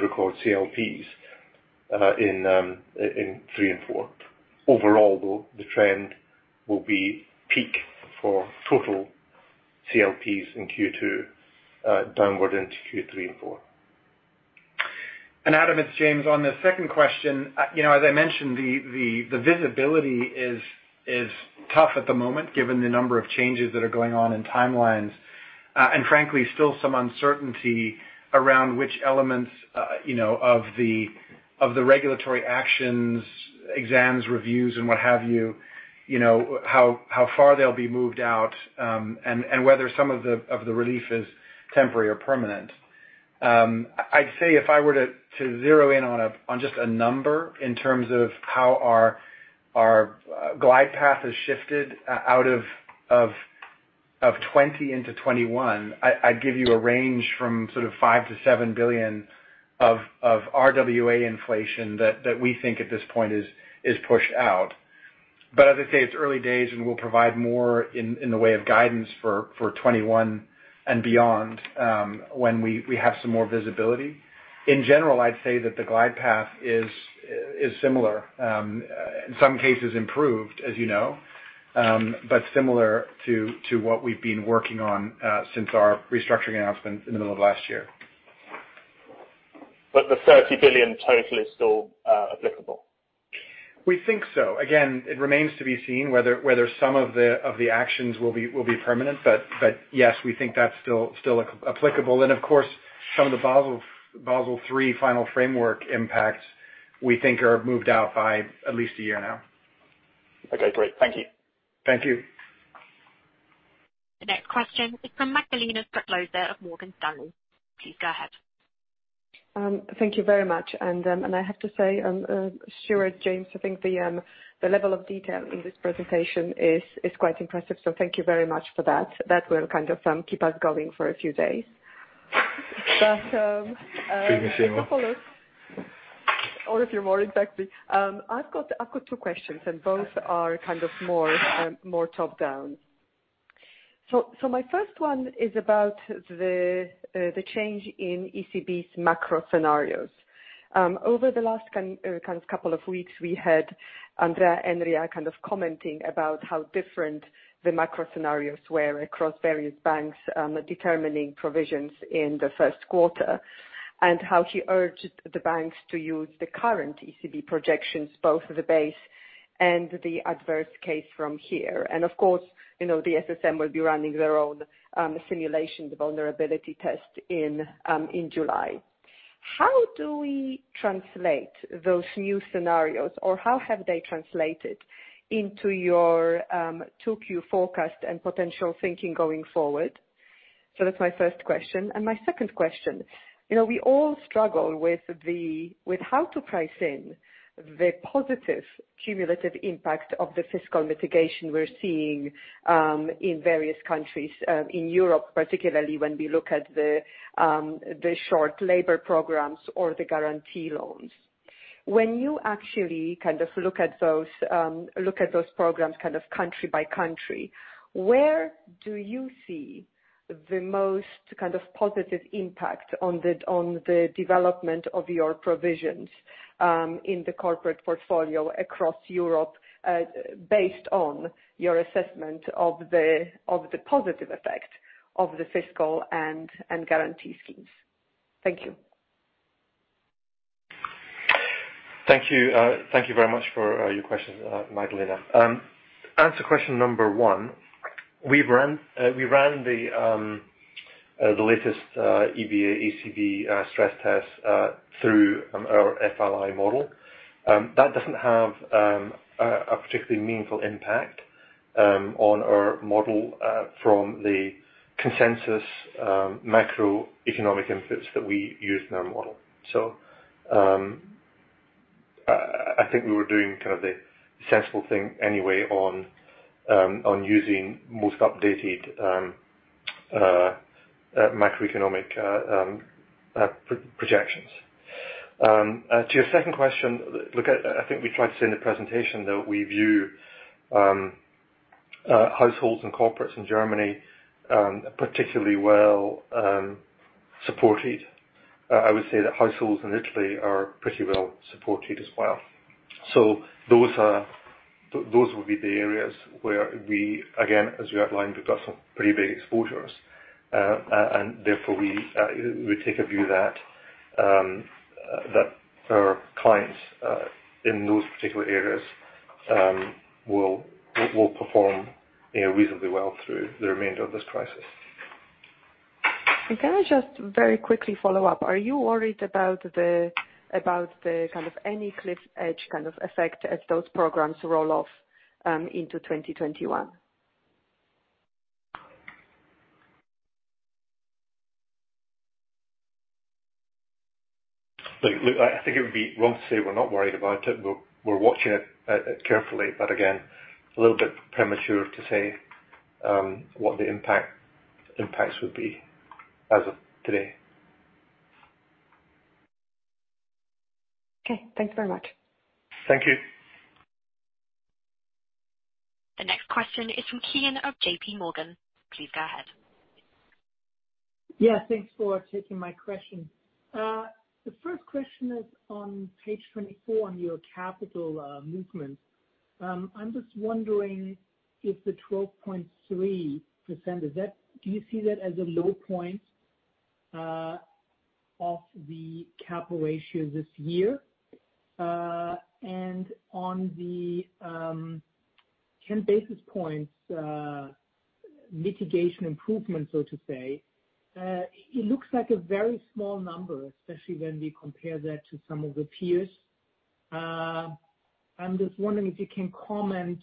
record CLPs in three and four. Overall, though, the trend will be peak for total CLPs in Q2 downward into Q3 and four. Adam, it's James. On the second question, as I mentioned, the visibility is tough at the moment given the number of changes that are going on in timelines. Frankly, still some uncertainty around which elements of the regulatory actions, exams, reviews, and what have you, how far they'll be moved out, and whether some of the relief is temporary or permanent. I'd say if I were to zero in on just a number in terms of how our glide path has shifted out of 2020 into 2021, I'd give you a range from sort of $5 billion to $7 billion of RWA inflation that we think at this point is pushed out. As I say, it's early days, and we'll provide more in the way of guidance for 2021 and beyond when we have some more visibility. In general, I'd say that the glide path is similar. In some cases improved, as you know, similar to what we've been working on since our restructuring announcement in the middle of last year. The $30 billion total is still applicable? We think so. Again, it remains to be seen whether some of the actions will be permanent. Yes, we think that's still applicable. Of course, some of the Basel III final framework impact, we think are moved out by at least a year now. Okay, great. Thank you. Thank you. The next question is from Magdalena Stoklosa of Morgan Stanley. Please go ahead. Thank you very much. I have to say, Stuart, James, I think the level of detail in this presentation is quite impressive, so thank you very much for that. That will kind of keep us going for a few days. Please do say more. Or if you're more impacted. I've got two questions, both are kind of more top-down. My first one is about the change in ECB's macro scenarios. Over the last couple of weeks, we had Andrea Enria kind of commenting about how different the macro scenarios were across various banks determining provisions in the first quarter, and how he urged the banks to use the current ECB projections, both the base and the adverse case from here. Of course, the SSM will be running their own simulation, the vulnerability test in July. How do we translate those new scenarios, or how have they translated into your 2Q forecast and potential thinking going forward? That's my first question. My second question. We all struggle with how to price in the positive cumulative impact of the fiscal mitigation we're seeing in various countries, in Europe particularly when we look at the short labor programs or the guarantee loans. When you actually look at those programs country by country, where do you see the most positive impact on the development of your provisions in the corporate portfolio across Europe, based on your assessment of the positive effect of the fiscal and guarantee schemes? Thank you. Thank you. Thank you very much for your questions, Magdalena. To answer question number 1, we ran the latest EBA ECB stress test through our FLI model. That doesn't have a particularly meaningful impact on our model from the consensus macroeconomic inputs that we use in our model. To your second question, I think we tried to say in the presentation that we view households and corporates in Germany particularly well supported. I would say that households in Italy are pretty well supported as well. Those will be the areas where we, again, as we outlined, we've got some pretty big exposures. Therefore we take a view that our clients in those particular areas will perform reasonably well through the remainder of this crisis. Can I just very quickly follow up? Are you worried about any cliff edge effect as those programs roll off into 2021? Look, I think it would be wrong to say we're not worried about it. We're watching it carefully. Again, it's a little bit premature to say what the impacts would be as of today. Okay. Thanks very much. Thank you. The next question is from Kian of JPMorgan. Please go ahead. Yeah, thanks for taking my question. The first question is on page 24 on your capital movement. I'm just wondering if the 12.3%, do you see that as a low point off the capital ratio this year? On the 10 basis points mitigation improvement, so to say, it looks like a very small number, especially when we compare that to some of the peers. I'm just wondering if you can comment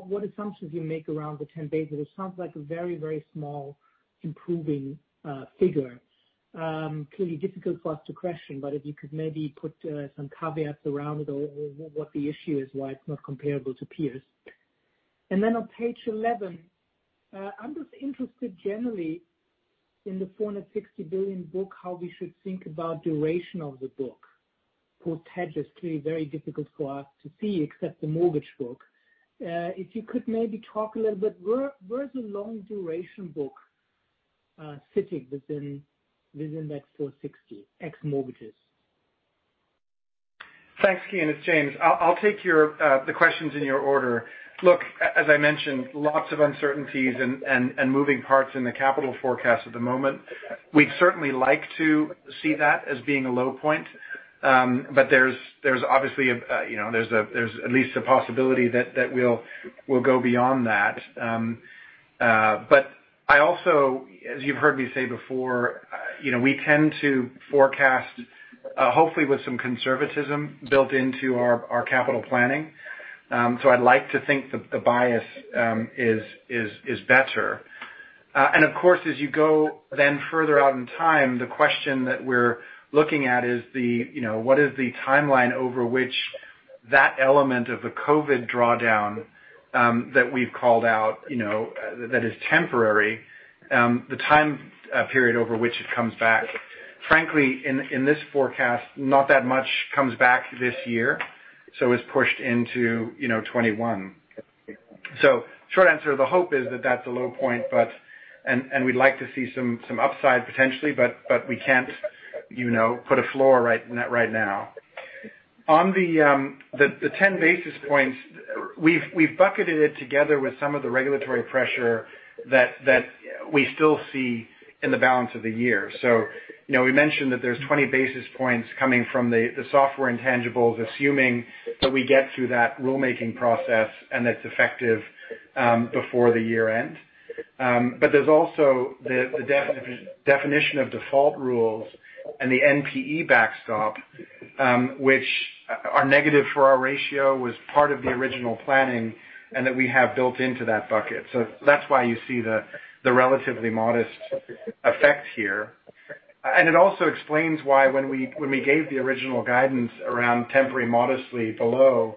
what assumptions you make around the 10 basis. It sounds like a very small improving figure. Clearly difficult for us to question, but if you could maybe put some caveats around it, or what the issue is, why it's not comparable to peers. Then on page 11, I'm just interested generally in the 460 billion book, how we should think about duration of the book. Portfolios, clearly very difficult for us to see, except the mortgage book. If you could maybe talk a little bit, where is the long duration book sitting within that EUR 460 billion, ex-mortgages? Thanks, Kian. It's James. I'll take the questions in your order. Look, as I mentioned, lots of uncertainties and moving parts in the capital forecast at the moment. We'd certainly like to see that as being a low point. There's at least a possibility that we'll go beyond that. I also, as you've heard me say before, we tend to forecast, hopefully with some conservatism built into our capital planning. I'd like to think the bias is better. Of course, as you go then further out in time, the question that we're looking at is what is the timeline over which that element of the COVID drawdown that we've called out, that is temporary, the time period over which it comes back. Frankly, in this forecast, not that much comes back this year, so it's pushed into 2021. Short answer, the hope is that that's a low point, we'd like to see some upside potentially, but we can't put a floor right now. On the 10 basis points, we've bucketed it together with some of the regulatory pressure that we still see in the balance of the year. We mentioned that there's 20 basis points coming from the software intangibles, assuming that we get through that rulemaking process, that's effective before the year-end. There's also the definition of default rules and the NPE backstop, which are negative for our ratio, was part of the original planning and that we have built into that bucket. That's why you see the relatively modest effect here. It also explains why when we gave the original guidance around temporary modestly below,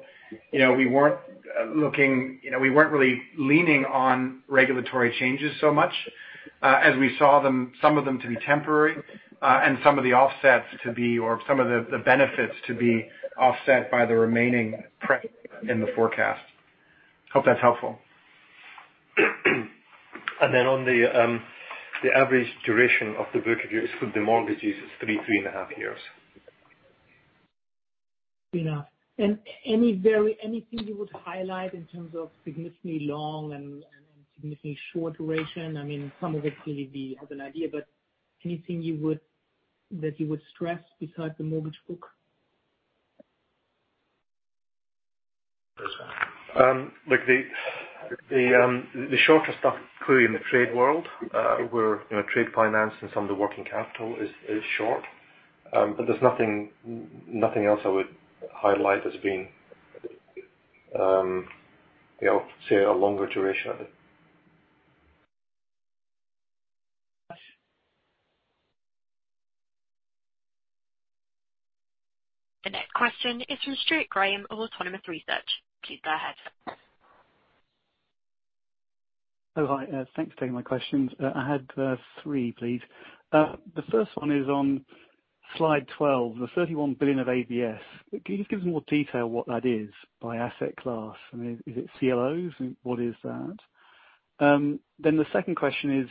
we weren't really leaning on regulatory changes so much as we saw some of them to be temporary, some of the benefits to be offset by the remaining press in the forecast. Hope that's helpful. On the average duration of the book of the mortgages is three and a half years. Anything you would highlight in terms of significantly long and significantly short duration? Some of it clearly we have an idea, anything that you would stress besides the mortgage book? Look, the shorter stuff clearly in the trade world, where trade finance and some of the working capital is short. There's nothing else I would highlight as being say, a longer duration. The next question is from Stuart Graham of Autonomous Research. Please go ahead. Oh, hi. Thanks for taking my questions. I had three, please. The first one is on slide 12, the 31 billion of ABS. Can you just give some more detail what that is by asset class? I mean, is it CLOs? What is that? The second question is,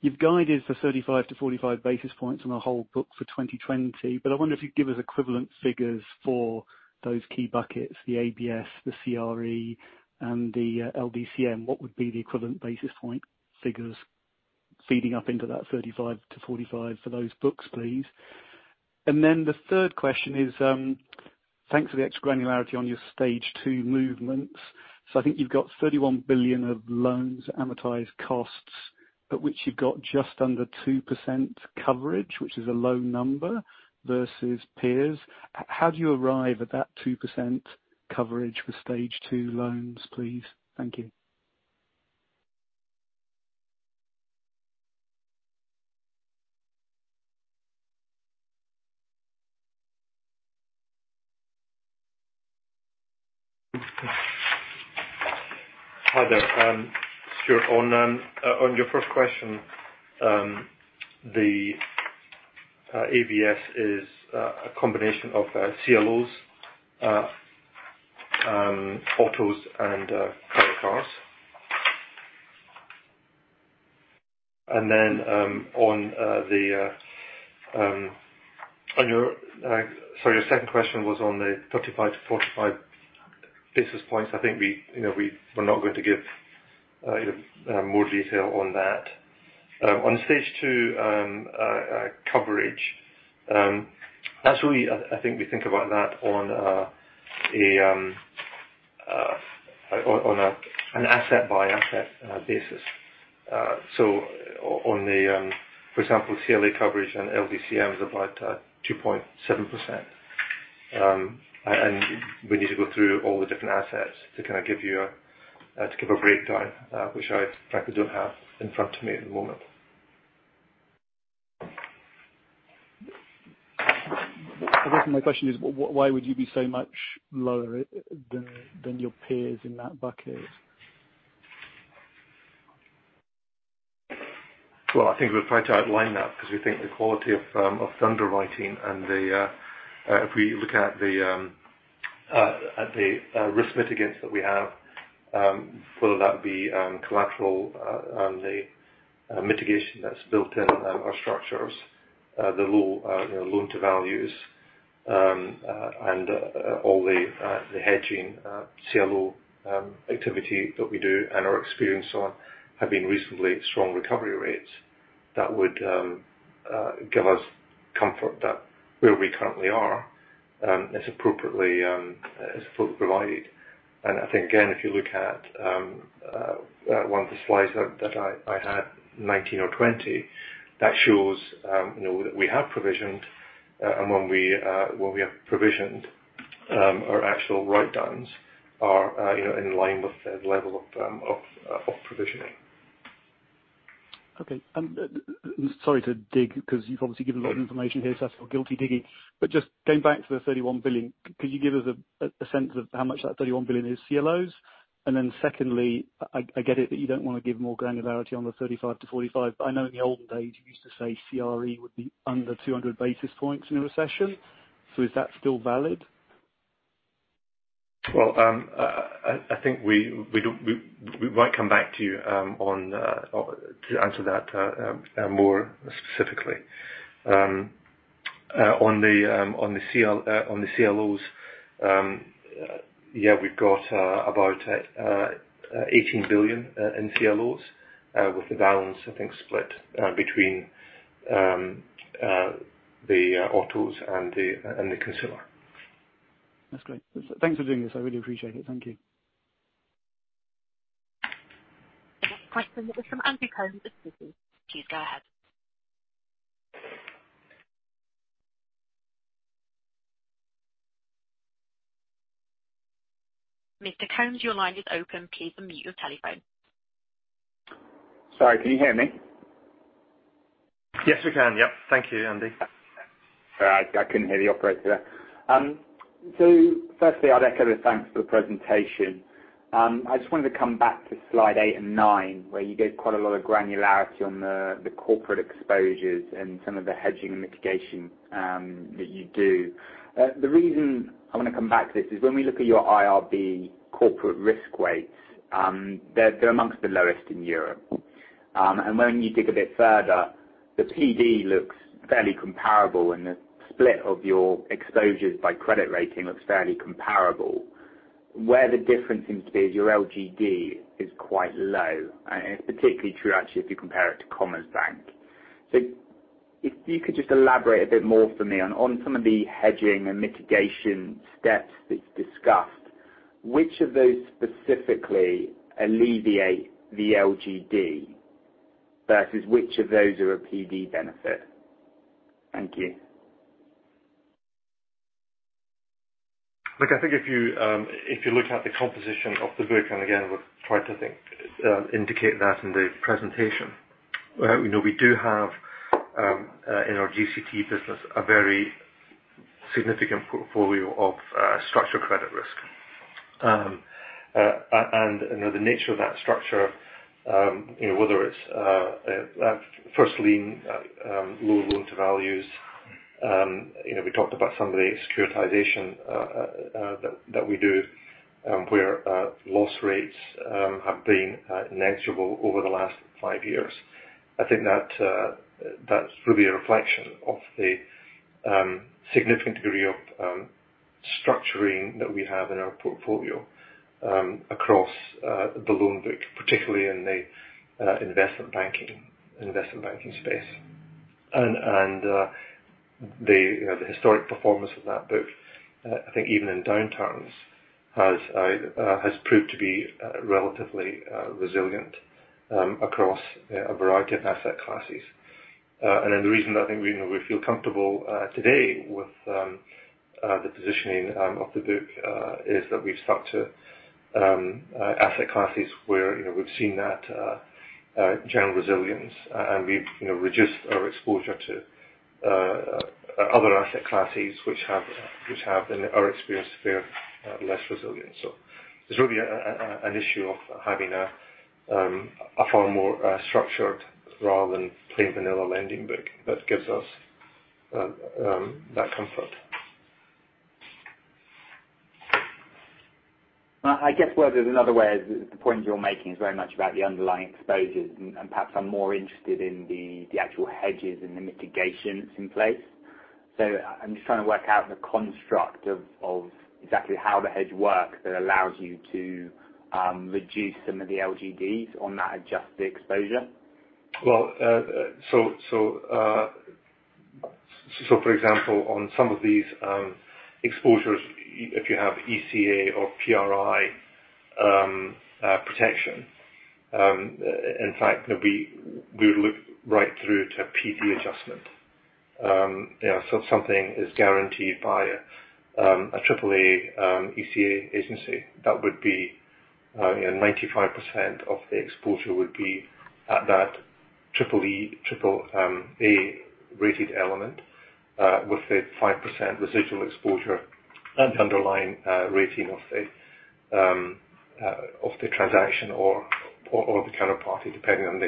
you've guided for 35 to 45 basis points on the whole book for 2020, I wonder if you'd give us equivalent figures for those key buckets, the ABS, the CRE, and the LDCM. What would be the equivalent basis point figures feeding up into that 35 to 45 for those books, please? The third question is, thanks for the extra granularity on your stage 2 movements. I think you've got 31 billion of loans, amortized costs, which you've got just under 2% coverage, which is a low number versus peers. How do you arrive at that 2% coverage for stage 2 loans, please? Thank you. Hi there, Stuart. On your first question, the ABS is a combination of CLOs, autos, and credit cards. Your second question was on the 35 to 45 basis points. I think we're not going to give more detail on that. On stage 2 coverage, actually, I think we think about that on an asset-by-asset basis. For example, CLA coverage on LDCM is about 2.7%. We need to go through all the different assets to give a breakdown, which I frankly don't have in front of me at the moment. I guess my question is, why would you be so much lower than your peers in that bucket? Well, I think we've tried to outline that because we think the quality of underwriting, if we look at the risk mitigants that we have whether that be collateral and the mitigation that's built into our structures, the low loan to values, and all the hedging CLO activity that we do and our experience on have been reasonably strong recovery rates. That would give us comfort that where we currently are is appropriately, is fully provided. I think, again, if you look at one of the slides that I had, 19 or 20, that shows that we have provisioned and when we have provisioned, our actual write downs are in line with the level of provisioning. Okay. Sorry to dig, because you've obviously given a lot of information here, so that's guilty digging. Just going back to the 31 billion, could you give us a sense of how much of that 31 billion is CLOs? Secondly, I get it that you don't want to give more granularity on the 35 to 45, but I know in the olden days, you used to say CRE would be under 200 basis points in a recession. Is that still valid? Well, I think we might come back to you to answer that more specifically. On the CLOs, yeah, we've got about 18 billion in CLOs with the balance, I think, split between the autos and the consumer. That's great. Thanks for doing this. I really appreciate it. Thank you. The next question is from Andrew Coombs of Citi. Please go ahead. Mr. Coombs, your line is open. Please unmute your telephone. Sorry, can you hear me? Yes, we can. Yep. Thank you, Andy. Sorry, I couldn't hear the operator. Firstly, I'd echo the thanks for the presentation. I just wanted to come back to slide eight and nine, where you gave quite a lot of granularity on the corporate exposures and some of the hedging mitigation that you do. The reason I want to come back to this is when we look at your IRB corporate risk weights, they're amongst the lowest in Europe. When you dig a bit further, the PD looks fairly comparable and the split of your exposures by credit rating looks fairly comparable. Where the difference seems to be is your LGD is quite low. It's particularly true actually if you compare it to Commerzbank. If you could just elaborate a bit more for me on some of the hedging and mitigation steps that you discussed, which of those specifically alleviate the LGD versus which of those are a PD benefit? Thank you. Look, I think if you look at the composition of the book, again, we've tried to indicate that in the presentation. We do have, in our GCT business, a very significant portfolio of structured credit risk. The nature of that structure, whether it's first lien, low loan to values. We talked about some of the securitization that we do, where loss rates have been negligible over the last five years. I think that's really a reflection of the significant degree of structuring that we have in our portfolio across the loan book, particularly in the investment banking space. The historic performance of that book, I think even in downturns, has proved to be relatively resilient across a variety of asset classes. The reason I think we feel comfortable today with the positioning of the book is that we've stuck to asset classes where we've seen that general resilience and we've reduced our exposure to other asset classes, which have, in our experience, fared less resilient. It's really an issue of having a far more structured rather than plain vanilla lending book that gives us that comfort. I guess, whether there's another way, the point you're making is very much about the underlying exposures, and perhaps I'm more interested in the actual hedges and the mitigation that's in place. I'm just trying to work out the construct of exactly how the hedge work that allows you to reduce some of the LGDs on that adjusted exposure. For example, on some of these exposures, if you have ECA or PRI protection, in fact, we would look right through to PD adjustment. If something is guaranteed by a triple A ECA agency, that would be 95% of the exposure would be at that triple A rated element, with the 5% residual exposure at the underlying rating of the transaction or the counterparty, depending on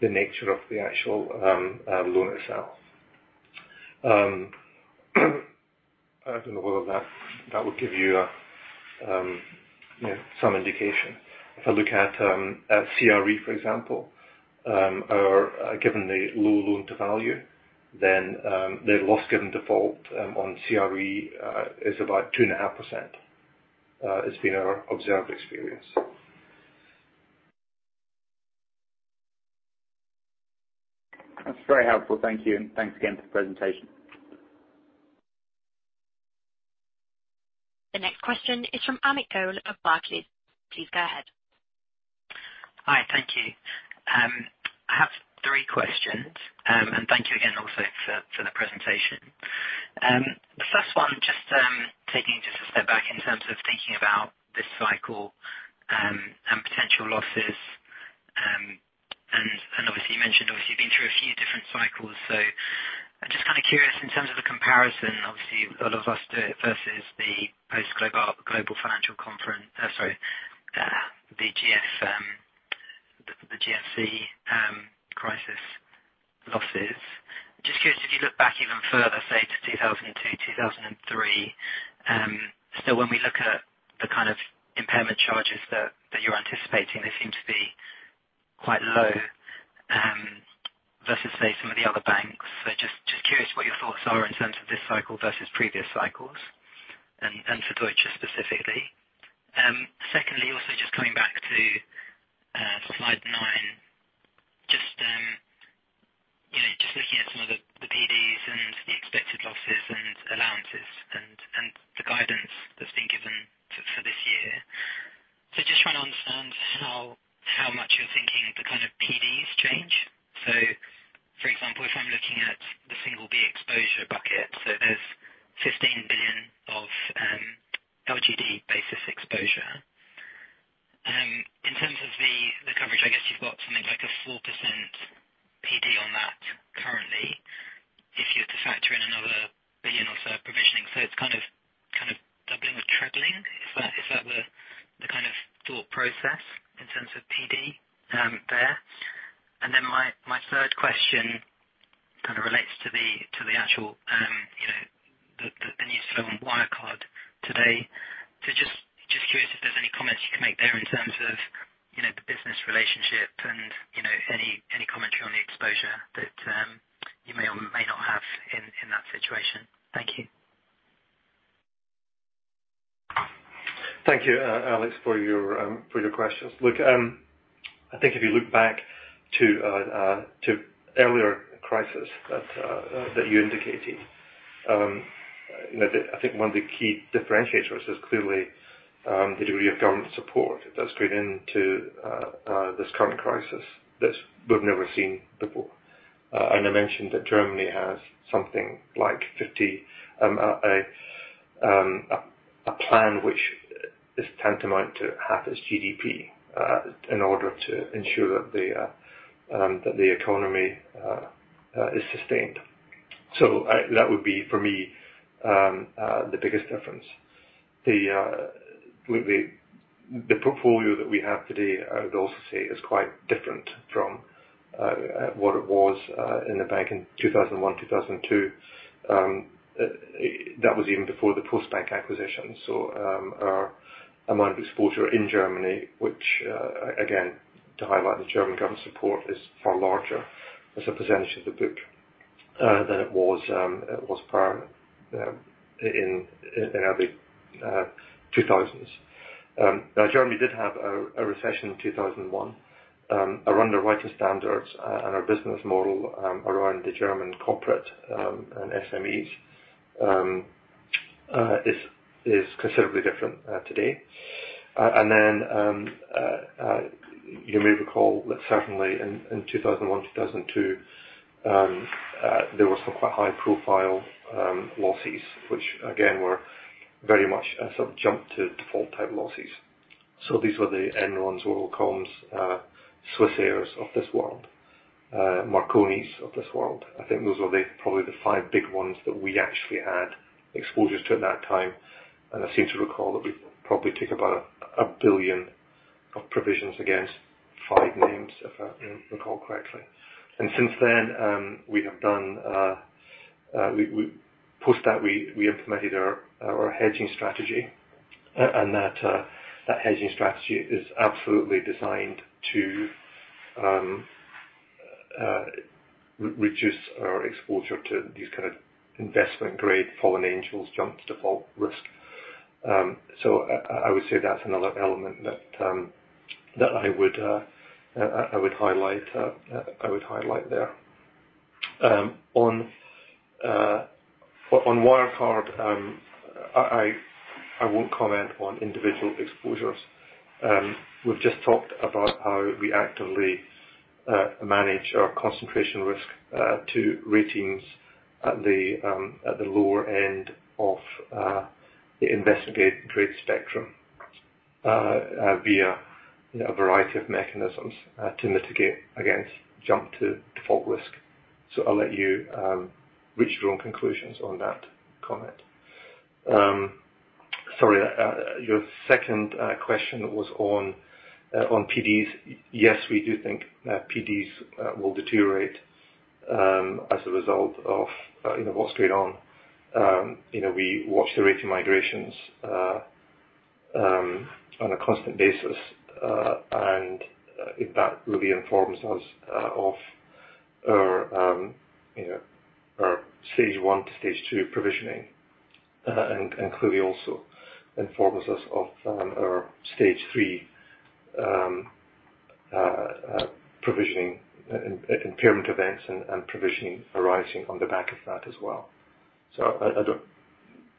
the nature of the actual loan itself. I don't know whether that would give you some indication. If I look at CRE, for example, or given the low loan to value, then the loss given default on CRE is about 2.5%. That has been our observed experience. That's very helpful. Thank you, and thanks again for the presentation. The next question is from Amit Goel of Barclays. Please go ahead. Hi. Thank you. I have three questions. Thank you again also for the presentation. The first one, just taking just a step back in terms of thinking about this cycle and potential losses. Obviously, you mentioned you've been through a few different cycles, so I'm just kind of curious in terms of the comparison, obviously, a lot of us do it versus the post-Global Financial Crisis, the GFC crisis losses. Just curious, if you look back even further, say, to 2002, 2003, when we look at the kind of impairment charges that you're anticipating, they seem to be quite low, versus, say, some of the other banks. Just curious what your thoughts are in terms of this cycle versus previous cycles and for Deutsche specifically. Secondly, also just coming back to slide nine, just looking at some of the PDs and the expected losses and allowances and the guidance that's been given for this year. Just trying to understand how much you're thinking the kind of PDs change. For example, if I'm looking at the single B exposure bucket, there's $15 billion of LGD basis exposure. In terms of the coverage, I guess you've got something like a 4% PD on that currently if you had to factor in another $1 billion or so of provisioning. It's kind of doubling or trebling, is that the kind of thought process in terms of PD there? My third question kind of relates to the news flow on Wirecard today. Just curious if there's any comments you can make there in terms of the business relationship and any commentary on the exposure that you may or may not have in that situation. Thank you. Thank you, Amit, for your questions. I think if you look back to earlier crisis that you indicated, I think one of the key differentiators is clearly the degree of government support that's going into this current crisis that we've never seen before. I mentioned that Germany has something like a plan which is tantamount to half its GDP in order to ensure that the economy is sustained. That would be, for me, the biggest difference. The portfolio that we have today, I would also say, is quite different from what it was in the bank in 2001, 2002. That was even before the Postbank acquisition. Our amount of exposure in Germany, which again, to highlight the German government support, is far larger as a percentage of the book than it was prior in the 2000s. Germany did have a recession in 2001. Around the regulatory standards and our business model around the German corporate and SMEs is considerably different today. You may recall that certainly in 2001, 2002, there were some quite high-profile losses, which again, were very much a sort of jump to default type losses. These were the Enron, WorldCom, Swissair of this world, Marconi of this world. I think those were probably the five big ones that we actually had exposures to at that time. I seem to recall that we probably took about a billion of provisions against five names, if I recall correctly. Since then, post that, we implemented our hedging strategy, and that hedging strategy is absolutely designed to reduce our exposure to these kind of investment-grade fallen angels, jump to default risk. I would say that's another element that I would highlight there. On Wirecard, I won't comment on individual exposures. We've just talked about how we actively manage our concentration risk to ratings at the lower end of the investment-grade spectrum via a variety of mechanisms to mitigate against jump to default risk. I'll let you reach your own conclusions on that comment. Sorry, your second question was on PDs. Yes, we do think that PDs will deteriorate as a result of what's going on. We watch the rating migrations on a constant basis, that really informs us of our stage 1 to stage 2 provisioning, clearly also informs us of our stage 3 provisioning, impairment events and provisioning arising on the back of that as well. I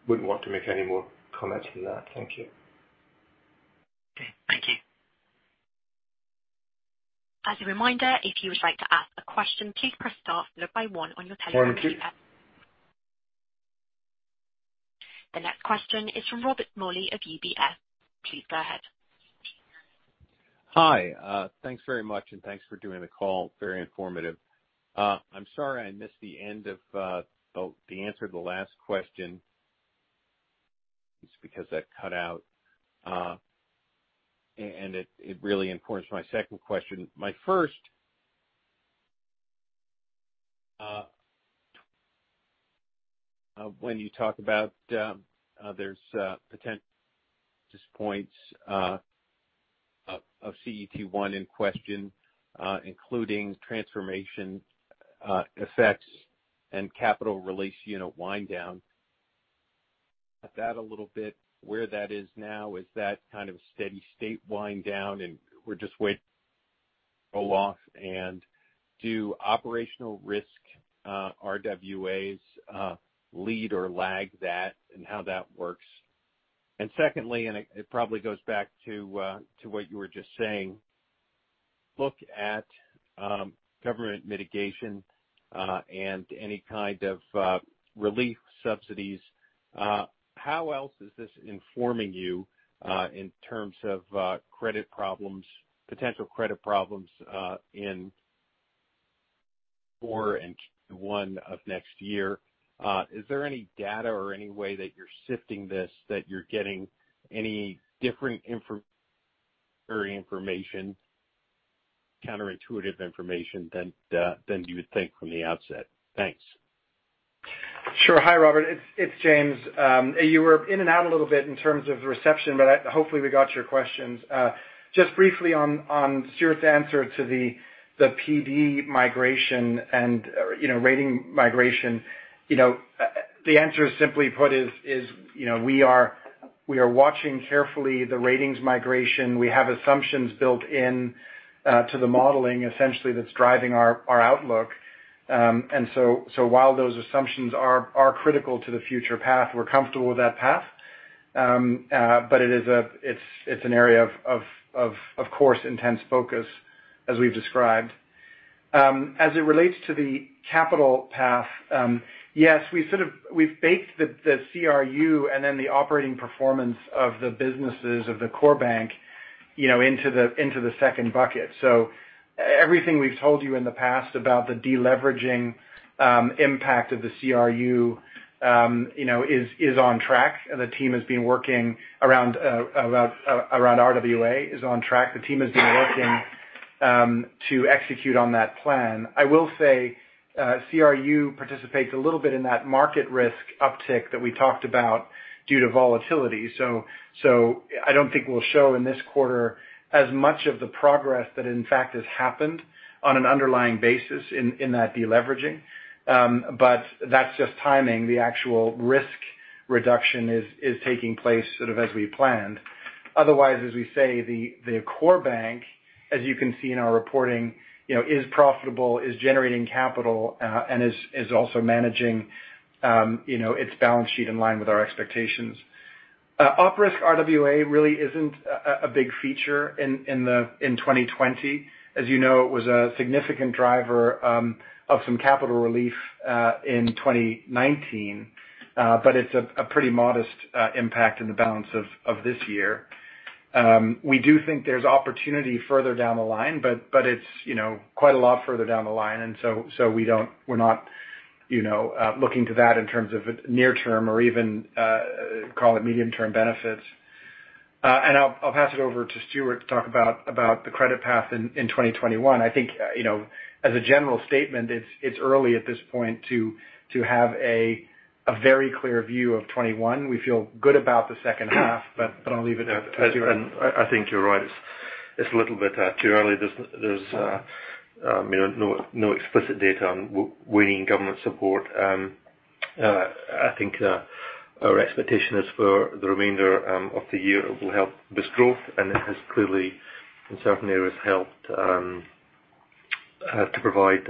wouldn't want to make any more comment on that. Thank you. Okay. Thank you. As a reminder, if you would like to ask a question, please press star followed by one on your telephone keypad. Sorry. The next question is from Robert Morley of UBS. Please go ahead. Hi. Thanks very much, and thanks for doing the call. Very informative. I'm sorry I missed the end of the answer to the last question. It's because that cut out. It really informs my second question. My first, when you talk about there's potential points of CET1 in question, including transformation effects and Capital Release Unit wind down. That a little bit, where that is now, is that kind of a steady state wind down and we're just waiting roll-off and do operational risk RWAs lead or lag that and how that works? Secondly, and it probably goes back to what you were just saying, look at government mitigation, and any kind of relief subsidies. How else is this informing you, in terms of potential credit problems in Q4 and Q1 of next year? Is there any data or any way that you're sifting this, that you're getting any different information, counterintuitive information than you would think from the outset? Thanks. Sure. Hi, Robert. It's James. You were in and out a little bit in terms of reception, but hopefully we got your questions. Just briefly on Stuart's answer to the PD migration and rating migration. The answer is, simply put, we are watching carefully the ratings migration. We have assumptions built in to the modeling, essentially, that's driving our outlook. While those assumptions are critical to the future path, we're comfortable with that path. But it's an area, of course, intense focus, as we've described. As it relates to the capital path, yes, we've baked the CRU and then the operating performance of the businesses of the core bank into the second bucket. Everything we've told you in the past about the de-leveraging impact of the CRU is on track. The team has been working around RWA, is on track. The team has been working to execute on that plan. I will say, CRU participates a little bit in that market risk uptick that we talked about due to volatility. I don't think we'll show in this quarter as much of the progress that in fact has happened on an underlying basis in that de-leveraging. That's just timing. The actual risk reduction is taking place sort of as we planned. Otherwise, as we say, the core bank, as you can see in our reporting, is profitable, is generating capital, and is also managing its balance sheet in line with our expectations. Op risk RWA really isn't a big feature in 2020. As you know, it was a significant driver of some capital relief in 2019. It's a pretty modest impact in the balance of this year. We do think there's opportunity further down the line, it's quite a lot further down the line. We're not looking to that in terms of near term or even call it medium-term benefits. I'll pass it over to Stuart to talk about the credit path in 2021. I think, as a general statement, it's early at this point to have a very clear view of '21. We feel good about the second half, I'll leave it at that. I think you're right. It's a little bit too early. There's no explicit data on weaning government support. I think our expectation is for the remainder of the year, it will help boost growth, and it has clearly, in certain areas, helped to provide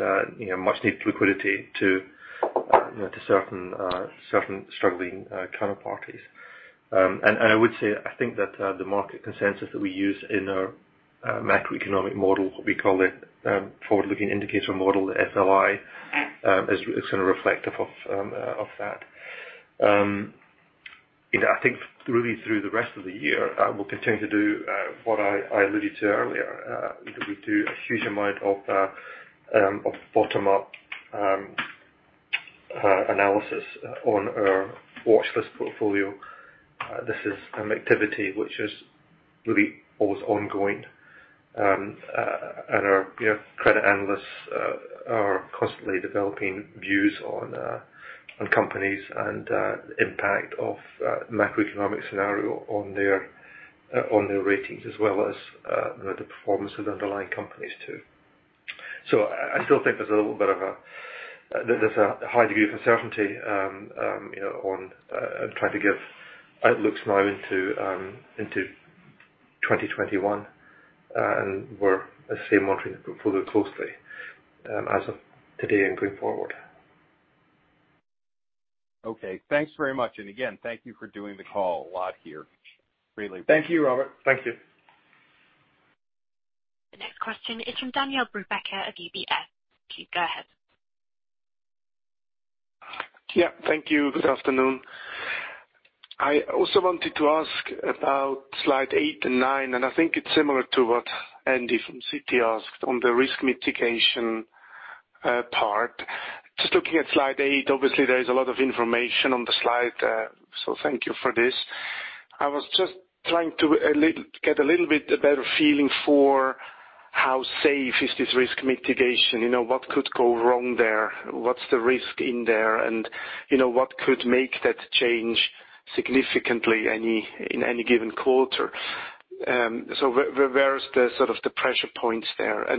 much needed liquidity to certain struggling counterparties. I would say, I think that the market consensus that we use in our macroeconomic model, we call it Forward-Looking Indicator model, FLI, is kind of reflective of that. I think really through the rest of the year, we'll continue to do what I alluded to earlier. We do a huge amount of bottom-up analysis on our watchlist portfolio. This is an activity which is really always ongoing. Our credit analysts are constantly developing views on companies and impact of macroeconomic scenario on their ratings, as well as the performance of the underlying companies, too. I still think there's a high degree of uncertainty on trying to give outlooks now into 2021. We're the same, monitoring the portfolio closely as of today and going forward. Okay. Thanks very much. Again, thank you for doing the call a lot here, really. Thank you, Robert. Thank you. The next question is from Daniele Brupbacher at UBS. Please go ahead. Thank you. Good afternoon. I also wanted to ask about slide eight and nine, I think it's similar to what Andy from Citi asked on the risk mitigation part. Just looking at slide eight, obviously there is a lot of information on the slide, so thank you for this. I was just trying to get a little bit better feeling for how safe is this risk mitigation. What could go wrong there? What's the risk in there? What could make that change significantly in any given quarter? Where is the pressure points there?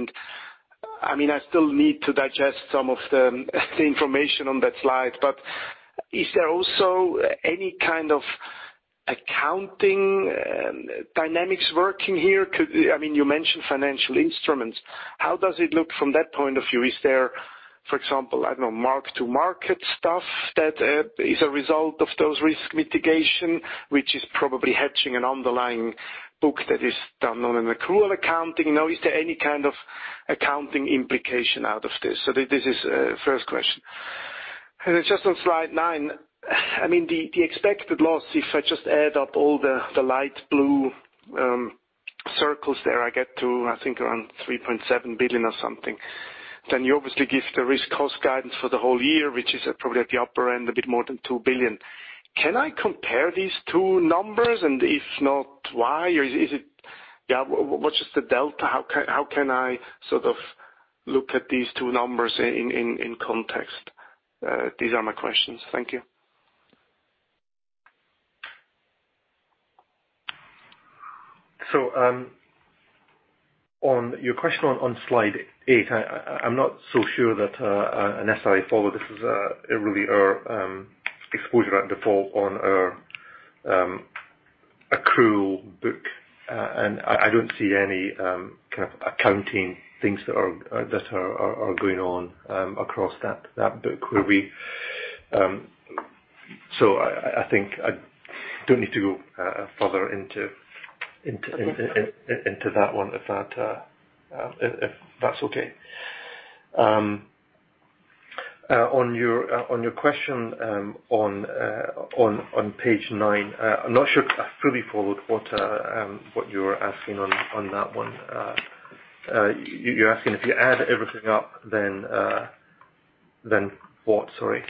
I still need to digest some of the information on that slide, but is there also any kind of accounting dynamics working here? You mentioned financial instruments. How does it look from that point of view? Is there, for example, I don't know, mark-to-market stuff that is a result of those risk mitigation, which is probably hedging an underlying book that is done on an accrual accounting? Is there any kind of accounting implication out of this? This is first question. Then just on slide nine, the expected loss, if I just add up all the light blue circles there, I get to, I think, around 3.7 billion or something. You obviously give the risk cost guidance for the whole year, which is probably at the upper end, a bit more than 2 billion. Can I compare these two numbers? If not, why? What is the delta? How can I look at these two numbers in context? These are my questions. Thank you. On your question on slide eight, I'm not so sure that as I follow this is really our exposure at default on our accrual book. I don't see any kind of accounting things that are going on across that book. I think I don't need to go further into that one, if that's okay. On your question on page nine, I'm not sure because I fully followed what you were asking on that one. You're asking if you add everything up, then what? Sorry.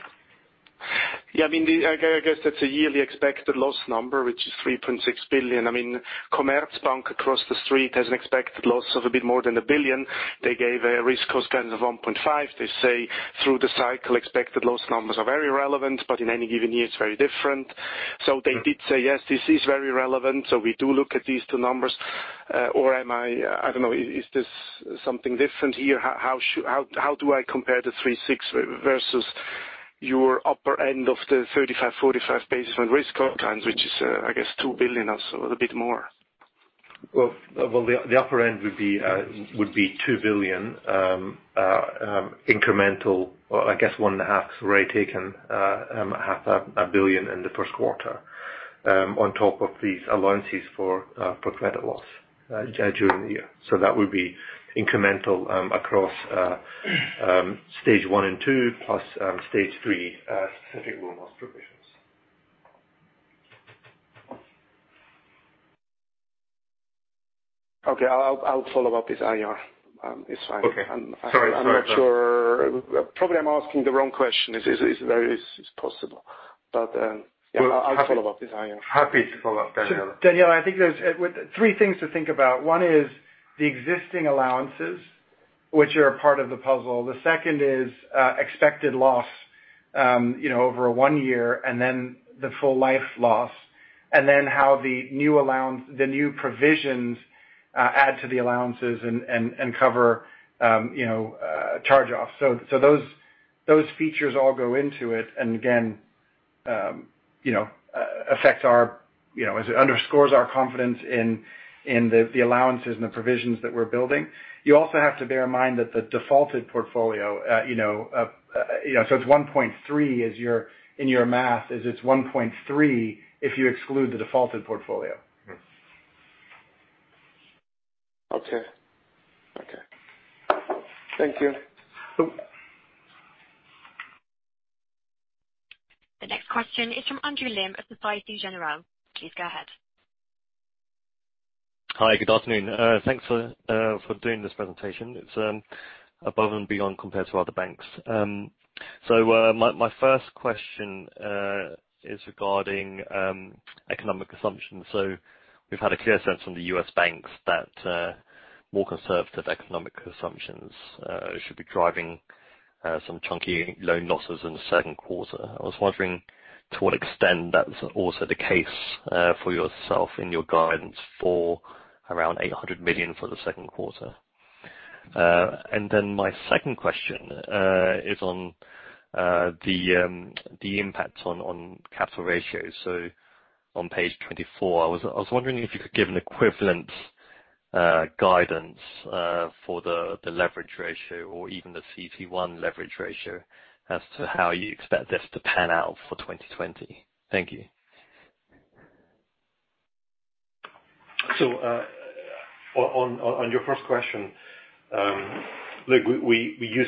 Yeah. I guess that's a yearly expected loss number, which is 3.6 billion. Commerzbank across the street has an expected loss of a bit more than 1 billion. They gave a risk cost guidance of 1.5. They say through the cycle, expected loss numbers are very relevant, but in any given year, it's very different. They did say, yes, this is very relevant, so we do look at these two numbers. Or am I don't know, is this something different here? How do I compare the 3.6 versus your upper end of the 35-45 basis on risk guidance, which is, I guess 2 billion or so, a bit more. Well, the upper end would be 2 billion incremental, or I guess one and a half's already taken half a billion in the first quarter on top of these allowances for credit loss during the year. That would be incremental across stage 1 and 2, plus stage 3 specific loan loss provisions. Okay. I'll follow up this IR. It's fine. Okay. Sorry. I'm not sure. Probably I'm asking the wrong question. It's possible. I'll follow up this IR. Happy to follow up, Daniele. Daniele, I think there's three things to think about. One is the existing allowances, which are a part of the puzzle. The second is expected loss over one year, then the full life loss, then how the new provisions add to the allowances and cover charge-offs. Those features all go into it. Again, underscores our confidence in the allowances and the provisions that we're building. You also have to bear in mind that the defaulted portfolio, it's 1.3 in your math, is it's 1.3 if you exclude the defaulted portfolio. Okay. Thank you. The next question is from Andrew Lim of Societe Generale. Please go ahead. Hi. Good afternoon. Thanks for doing this presentation. It's above and beyond compared to other banks. My first question is regarding economic assumptions. We've had a clear sense from the U.S. banks that more conservative economic assumptions should be driving some chunky loan losses in the second quarter. I was wondering to what extent that's also the case for yourself in your guidance for around 800 million for the second quarter. My second question is on the impact on capital ratios. On page 24, I was wondering if you could give an equivalent guidance for the leverage ratio or even the CET1 leverage ratio as to how you expect this to pan out for 2020. Thank you. On your first question, look, we use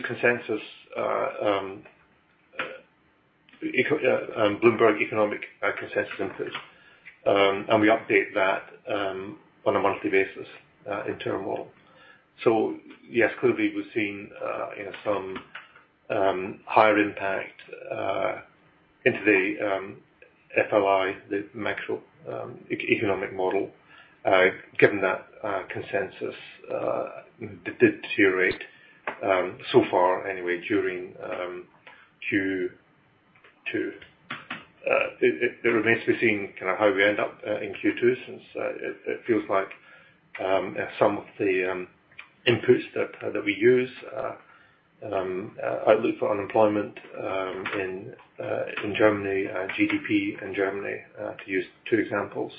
Bloomberg economic consensus inputs, and we update that on a monthly basis internal. Yes, clearly, we've seen some higher impact into the FLI, the macroeconomic model, given that consensus did deteriorate so far anyway during Q2. It remains to be seen kind of how we end up in Q2, since it feels like some of the inputs that we use, outlook for unemployment in Germany and GDP in Germany, to use two examples,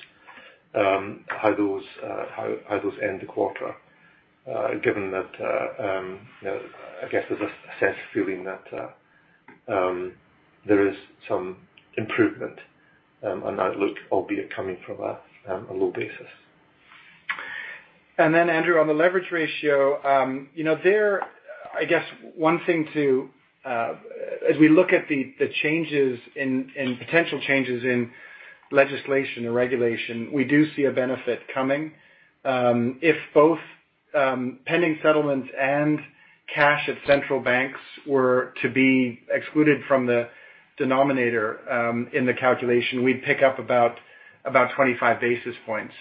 how those end the quarter, given that there's a sense feeling that there is some improvement on outlook, albeit coming from a low basis. Andrew, on the leverage ratio. There, I guess one thing too, as we look at the potential changes in legislation or regulation, we do see a benefit coming. If both pending settlements and cash at central banks were to be excluded from the denominator in the calculation, we'd pick up about 25 basis points.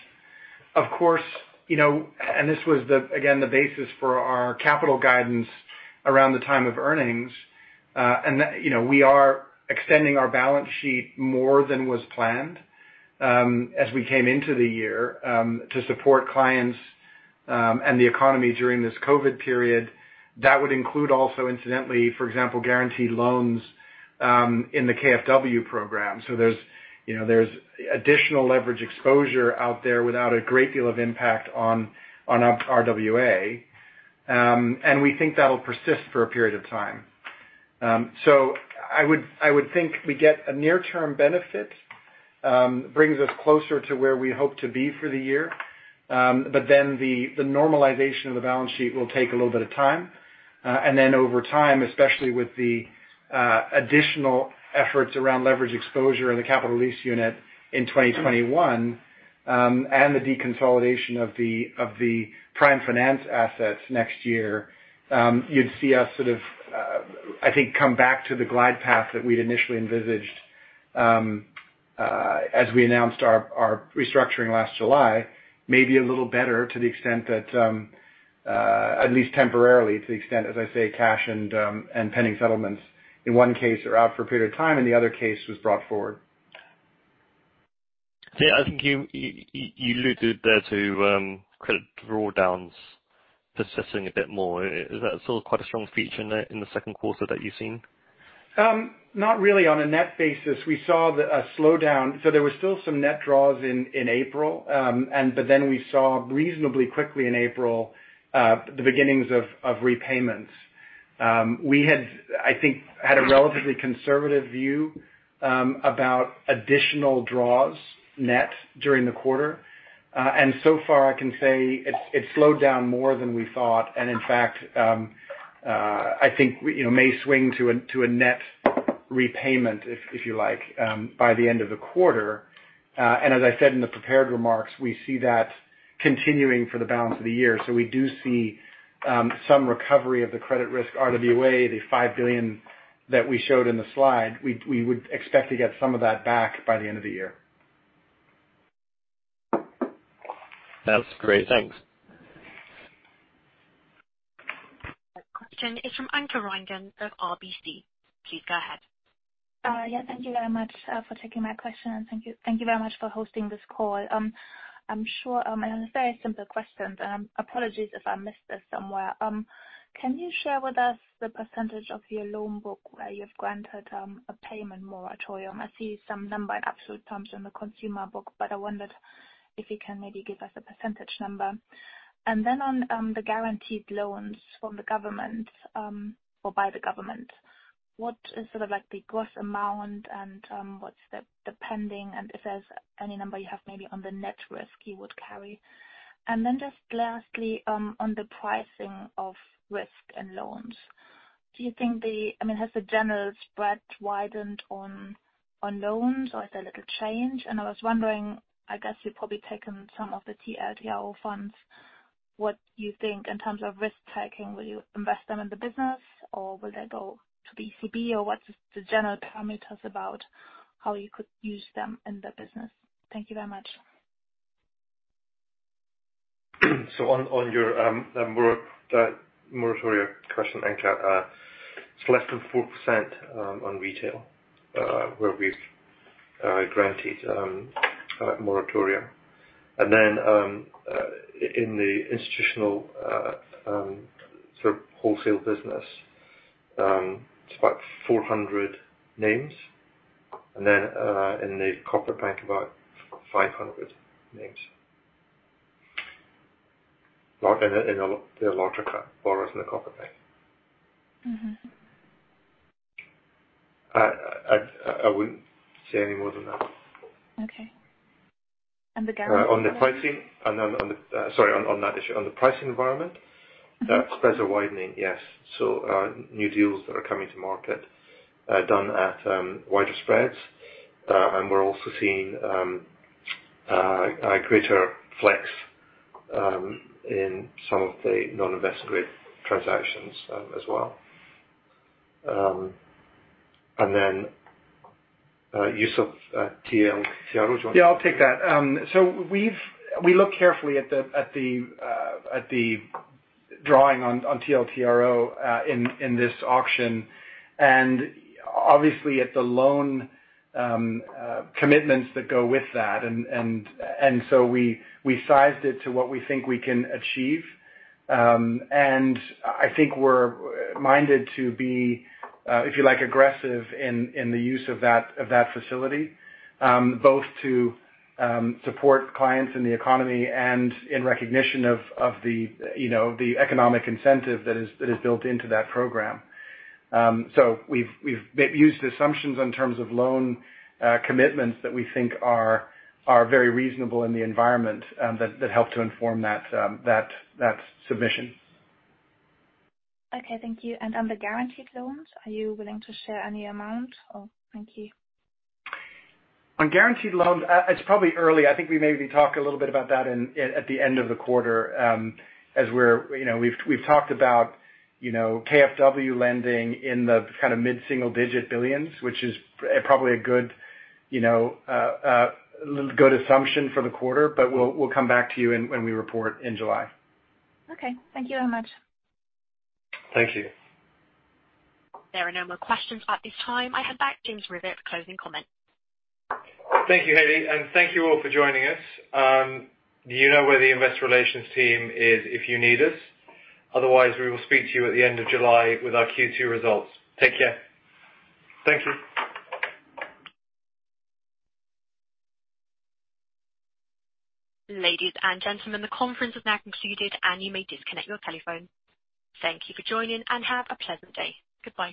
Of course, this was, again, the basis for our capital guidance around the time of earnings. We are extending our balance sheet more than was planned as we came into the year to support clients and the economy during this COVID-19 period. That would include also, incidentally, for example, guaranteed loans in the KfW program. There's additional leverage exposure out there without a great deal of impact on our RWA. We think that'll persist for a period of time. I would think we get a near-term benefit, brings us closer to where we hope to be for the year. The normalization of the balance sheet will take a little bit of time. Over time, especially with the additional efforts around leverage exposure in the Capital Release Unit in 2021, and the deconsolidation of the prime finance assets next year, you'd see us sort of, I think, come back to the glide path that we'd initially envisaged as we announced our restructuring last July. Maybe a little better, at least temporarily, to the extent, as I say, cash and pending settlements in one case are out for a period of time, and the other case was brought forward. I think you alluded there to credit drawdowns persisting a bit more. Is that still quite a strong feature in the second quarter that you've seen? Not really. On a net basis, we saw a slowdown. There were still some net draws in April, we saw reasonably quickly in April the beginnings of repayments. We had, I think, had a relatively conservative view about additional draws net during the quarter. So far I can say it slowed down more than we thought. In fact, I think may swing to a net repayment, if you like, by the end of the quarter. As I said in the prepared remarks, we see that continuing for the balance of the year. We do see some recovery of the credit risk RWA, the 5 billion that we showed in the slide. We would expect to get some of that back by the end of the year. That's great. Thanks. The next question is from Anke Reingen of RBC. Please go ahead. Thank you very much for taking my question, and thank you very much for hosting this call. I have a very simple question. Apologies if I missed this somewhere. Can you share with us the percentage of your loan book where you've granted a payment moratorium? I see some number in absolute terms on the consumer book, but I wondered if you can maybe give us a percentage number. On the guaranteed loans from the government, or by the government, what is sort of like the gross amount and what's the pending, and if there's any number you have maybe on the net risk you would carry? Just lastly, on the pricing of risk and loans. Has the general spread widened on loans, or is there little change? I was wondering, I guess you've probably taken some of the TLTRO funds. What do you think in terms of risk-taking? Will you invest them in the business, or will they go to the ECB, or what's the general parameters about how you could use them in the business? Thank you very much. On your moratorium question, Anke. It's less than 4% on retail where we've granted moratorium. In the institutional wholesale business, it's about 400 names. In the corporate bank, about 500 names. In the larger borrowers in the corporate bank. I wouldn't say any more than that. Okay. the guarantee- On the pricing Sorry, on that issue. On the pricing environment- Spreads are widening, yes. New deals that are coming to market done at wider spreads. We're also seeing a greater flex in some of the non-investment grade transactions as well. Use of TLTROs. Do you want to- Yeah, I'll take that. We look carefully at the drawing on TLTRO in this auction, and obviously at the loan commitments that go with that. We sized it to what we think we can achieve. I think we're minded to be, if you like, aggressive in the use of that facility, both to support clients in the economy and in recognition of the economic incentive that is built into that program. We've used assumptions in terms of loan commitments that we think are very reasonable in the environment that help to inform that submission. Okay, thank you. On the guaranteed loans, are you willing to share any amount or Thank you. On guaranteed loans, it's probably early. I think we maybe talk a little bit about that at the end of the quarter. We've talked about KfW lending in the mid-single digit billions, which is probably a good assumption for the quarter, we'll come back to you when we report in July. Okay. Thank you very much. Thank you. There are no more questions at this time. I hand back to James Rivett for closing comments. Thank you, Hailey, and thank you all for joining us. You know where the investor relations team is if you need us. Otherwise, we will speak to you at the end of July with our Q2 results. Take care. Thank you. Ladies and gentlemen, the conference has now concluded, and you may disconnect your telephone. Thank you for joining, and have a pleasant day. Goodbye.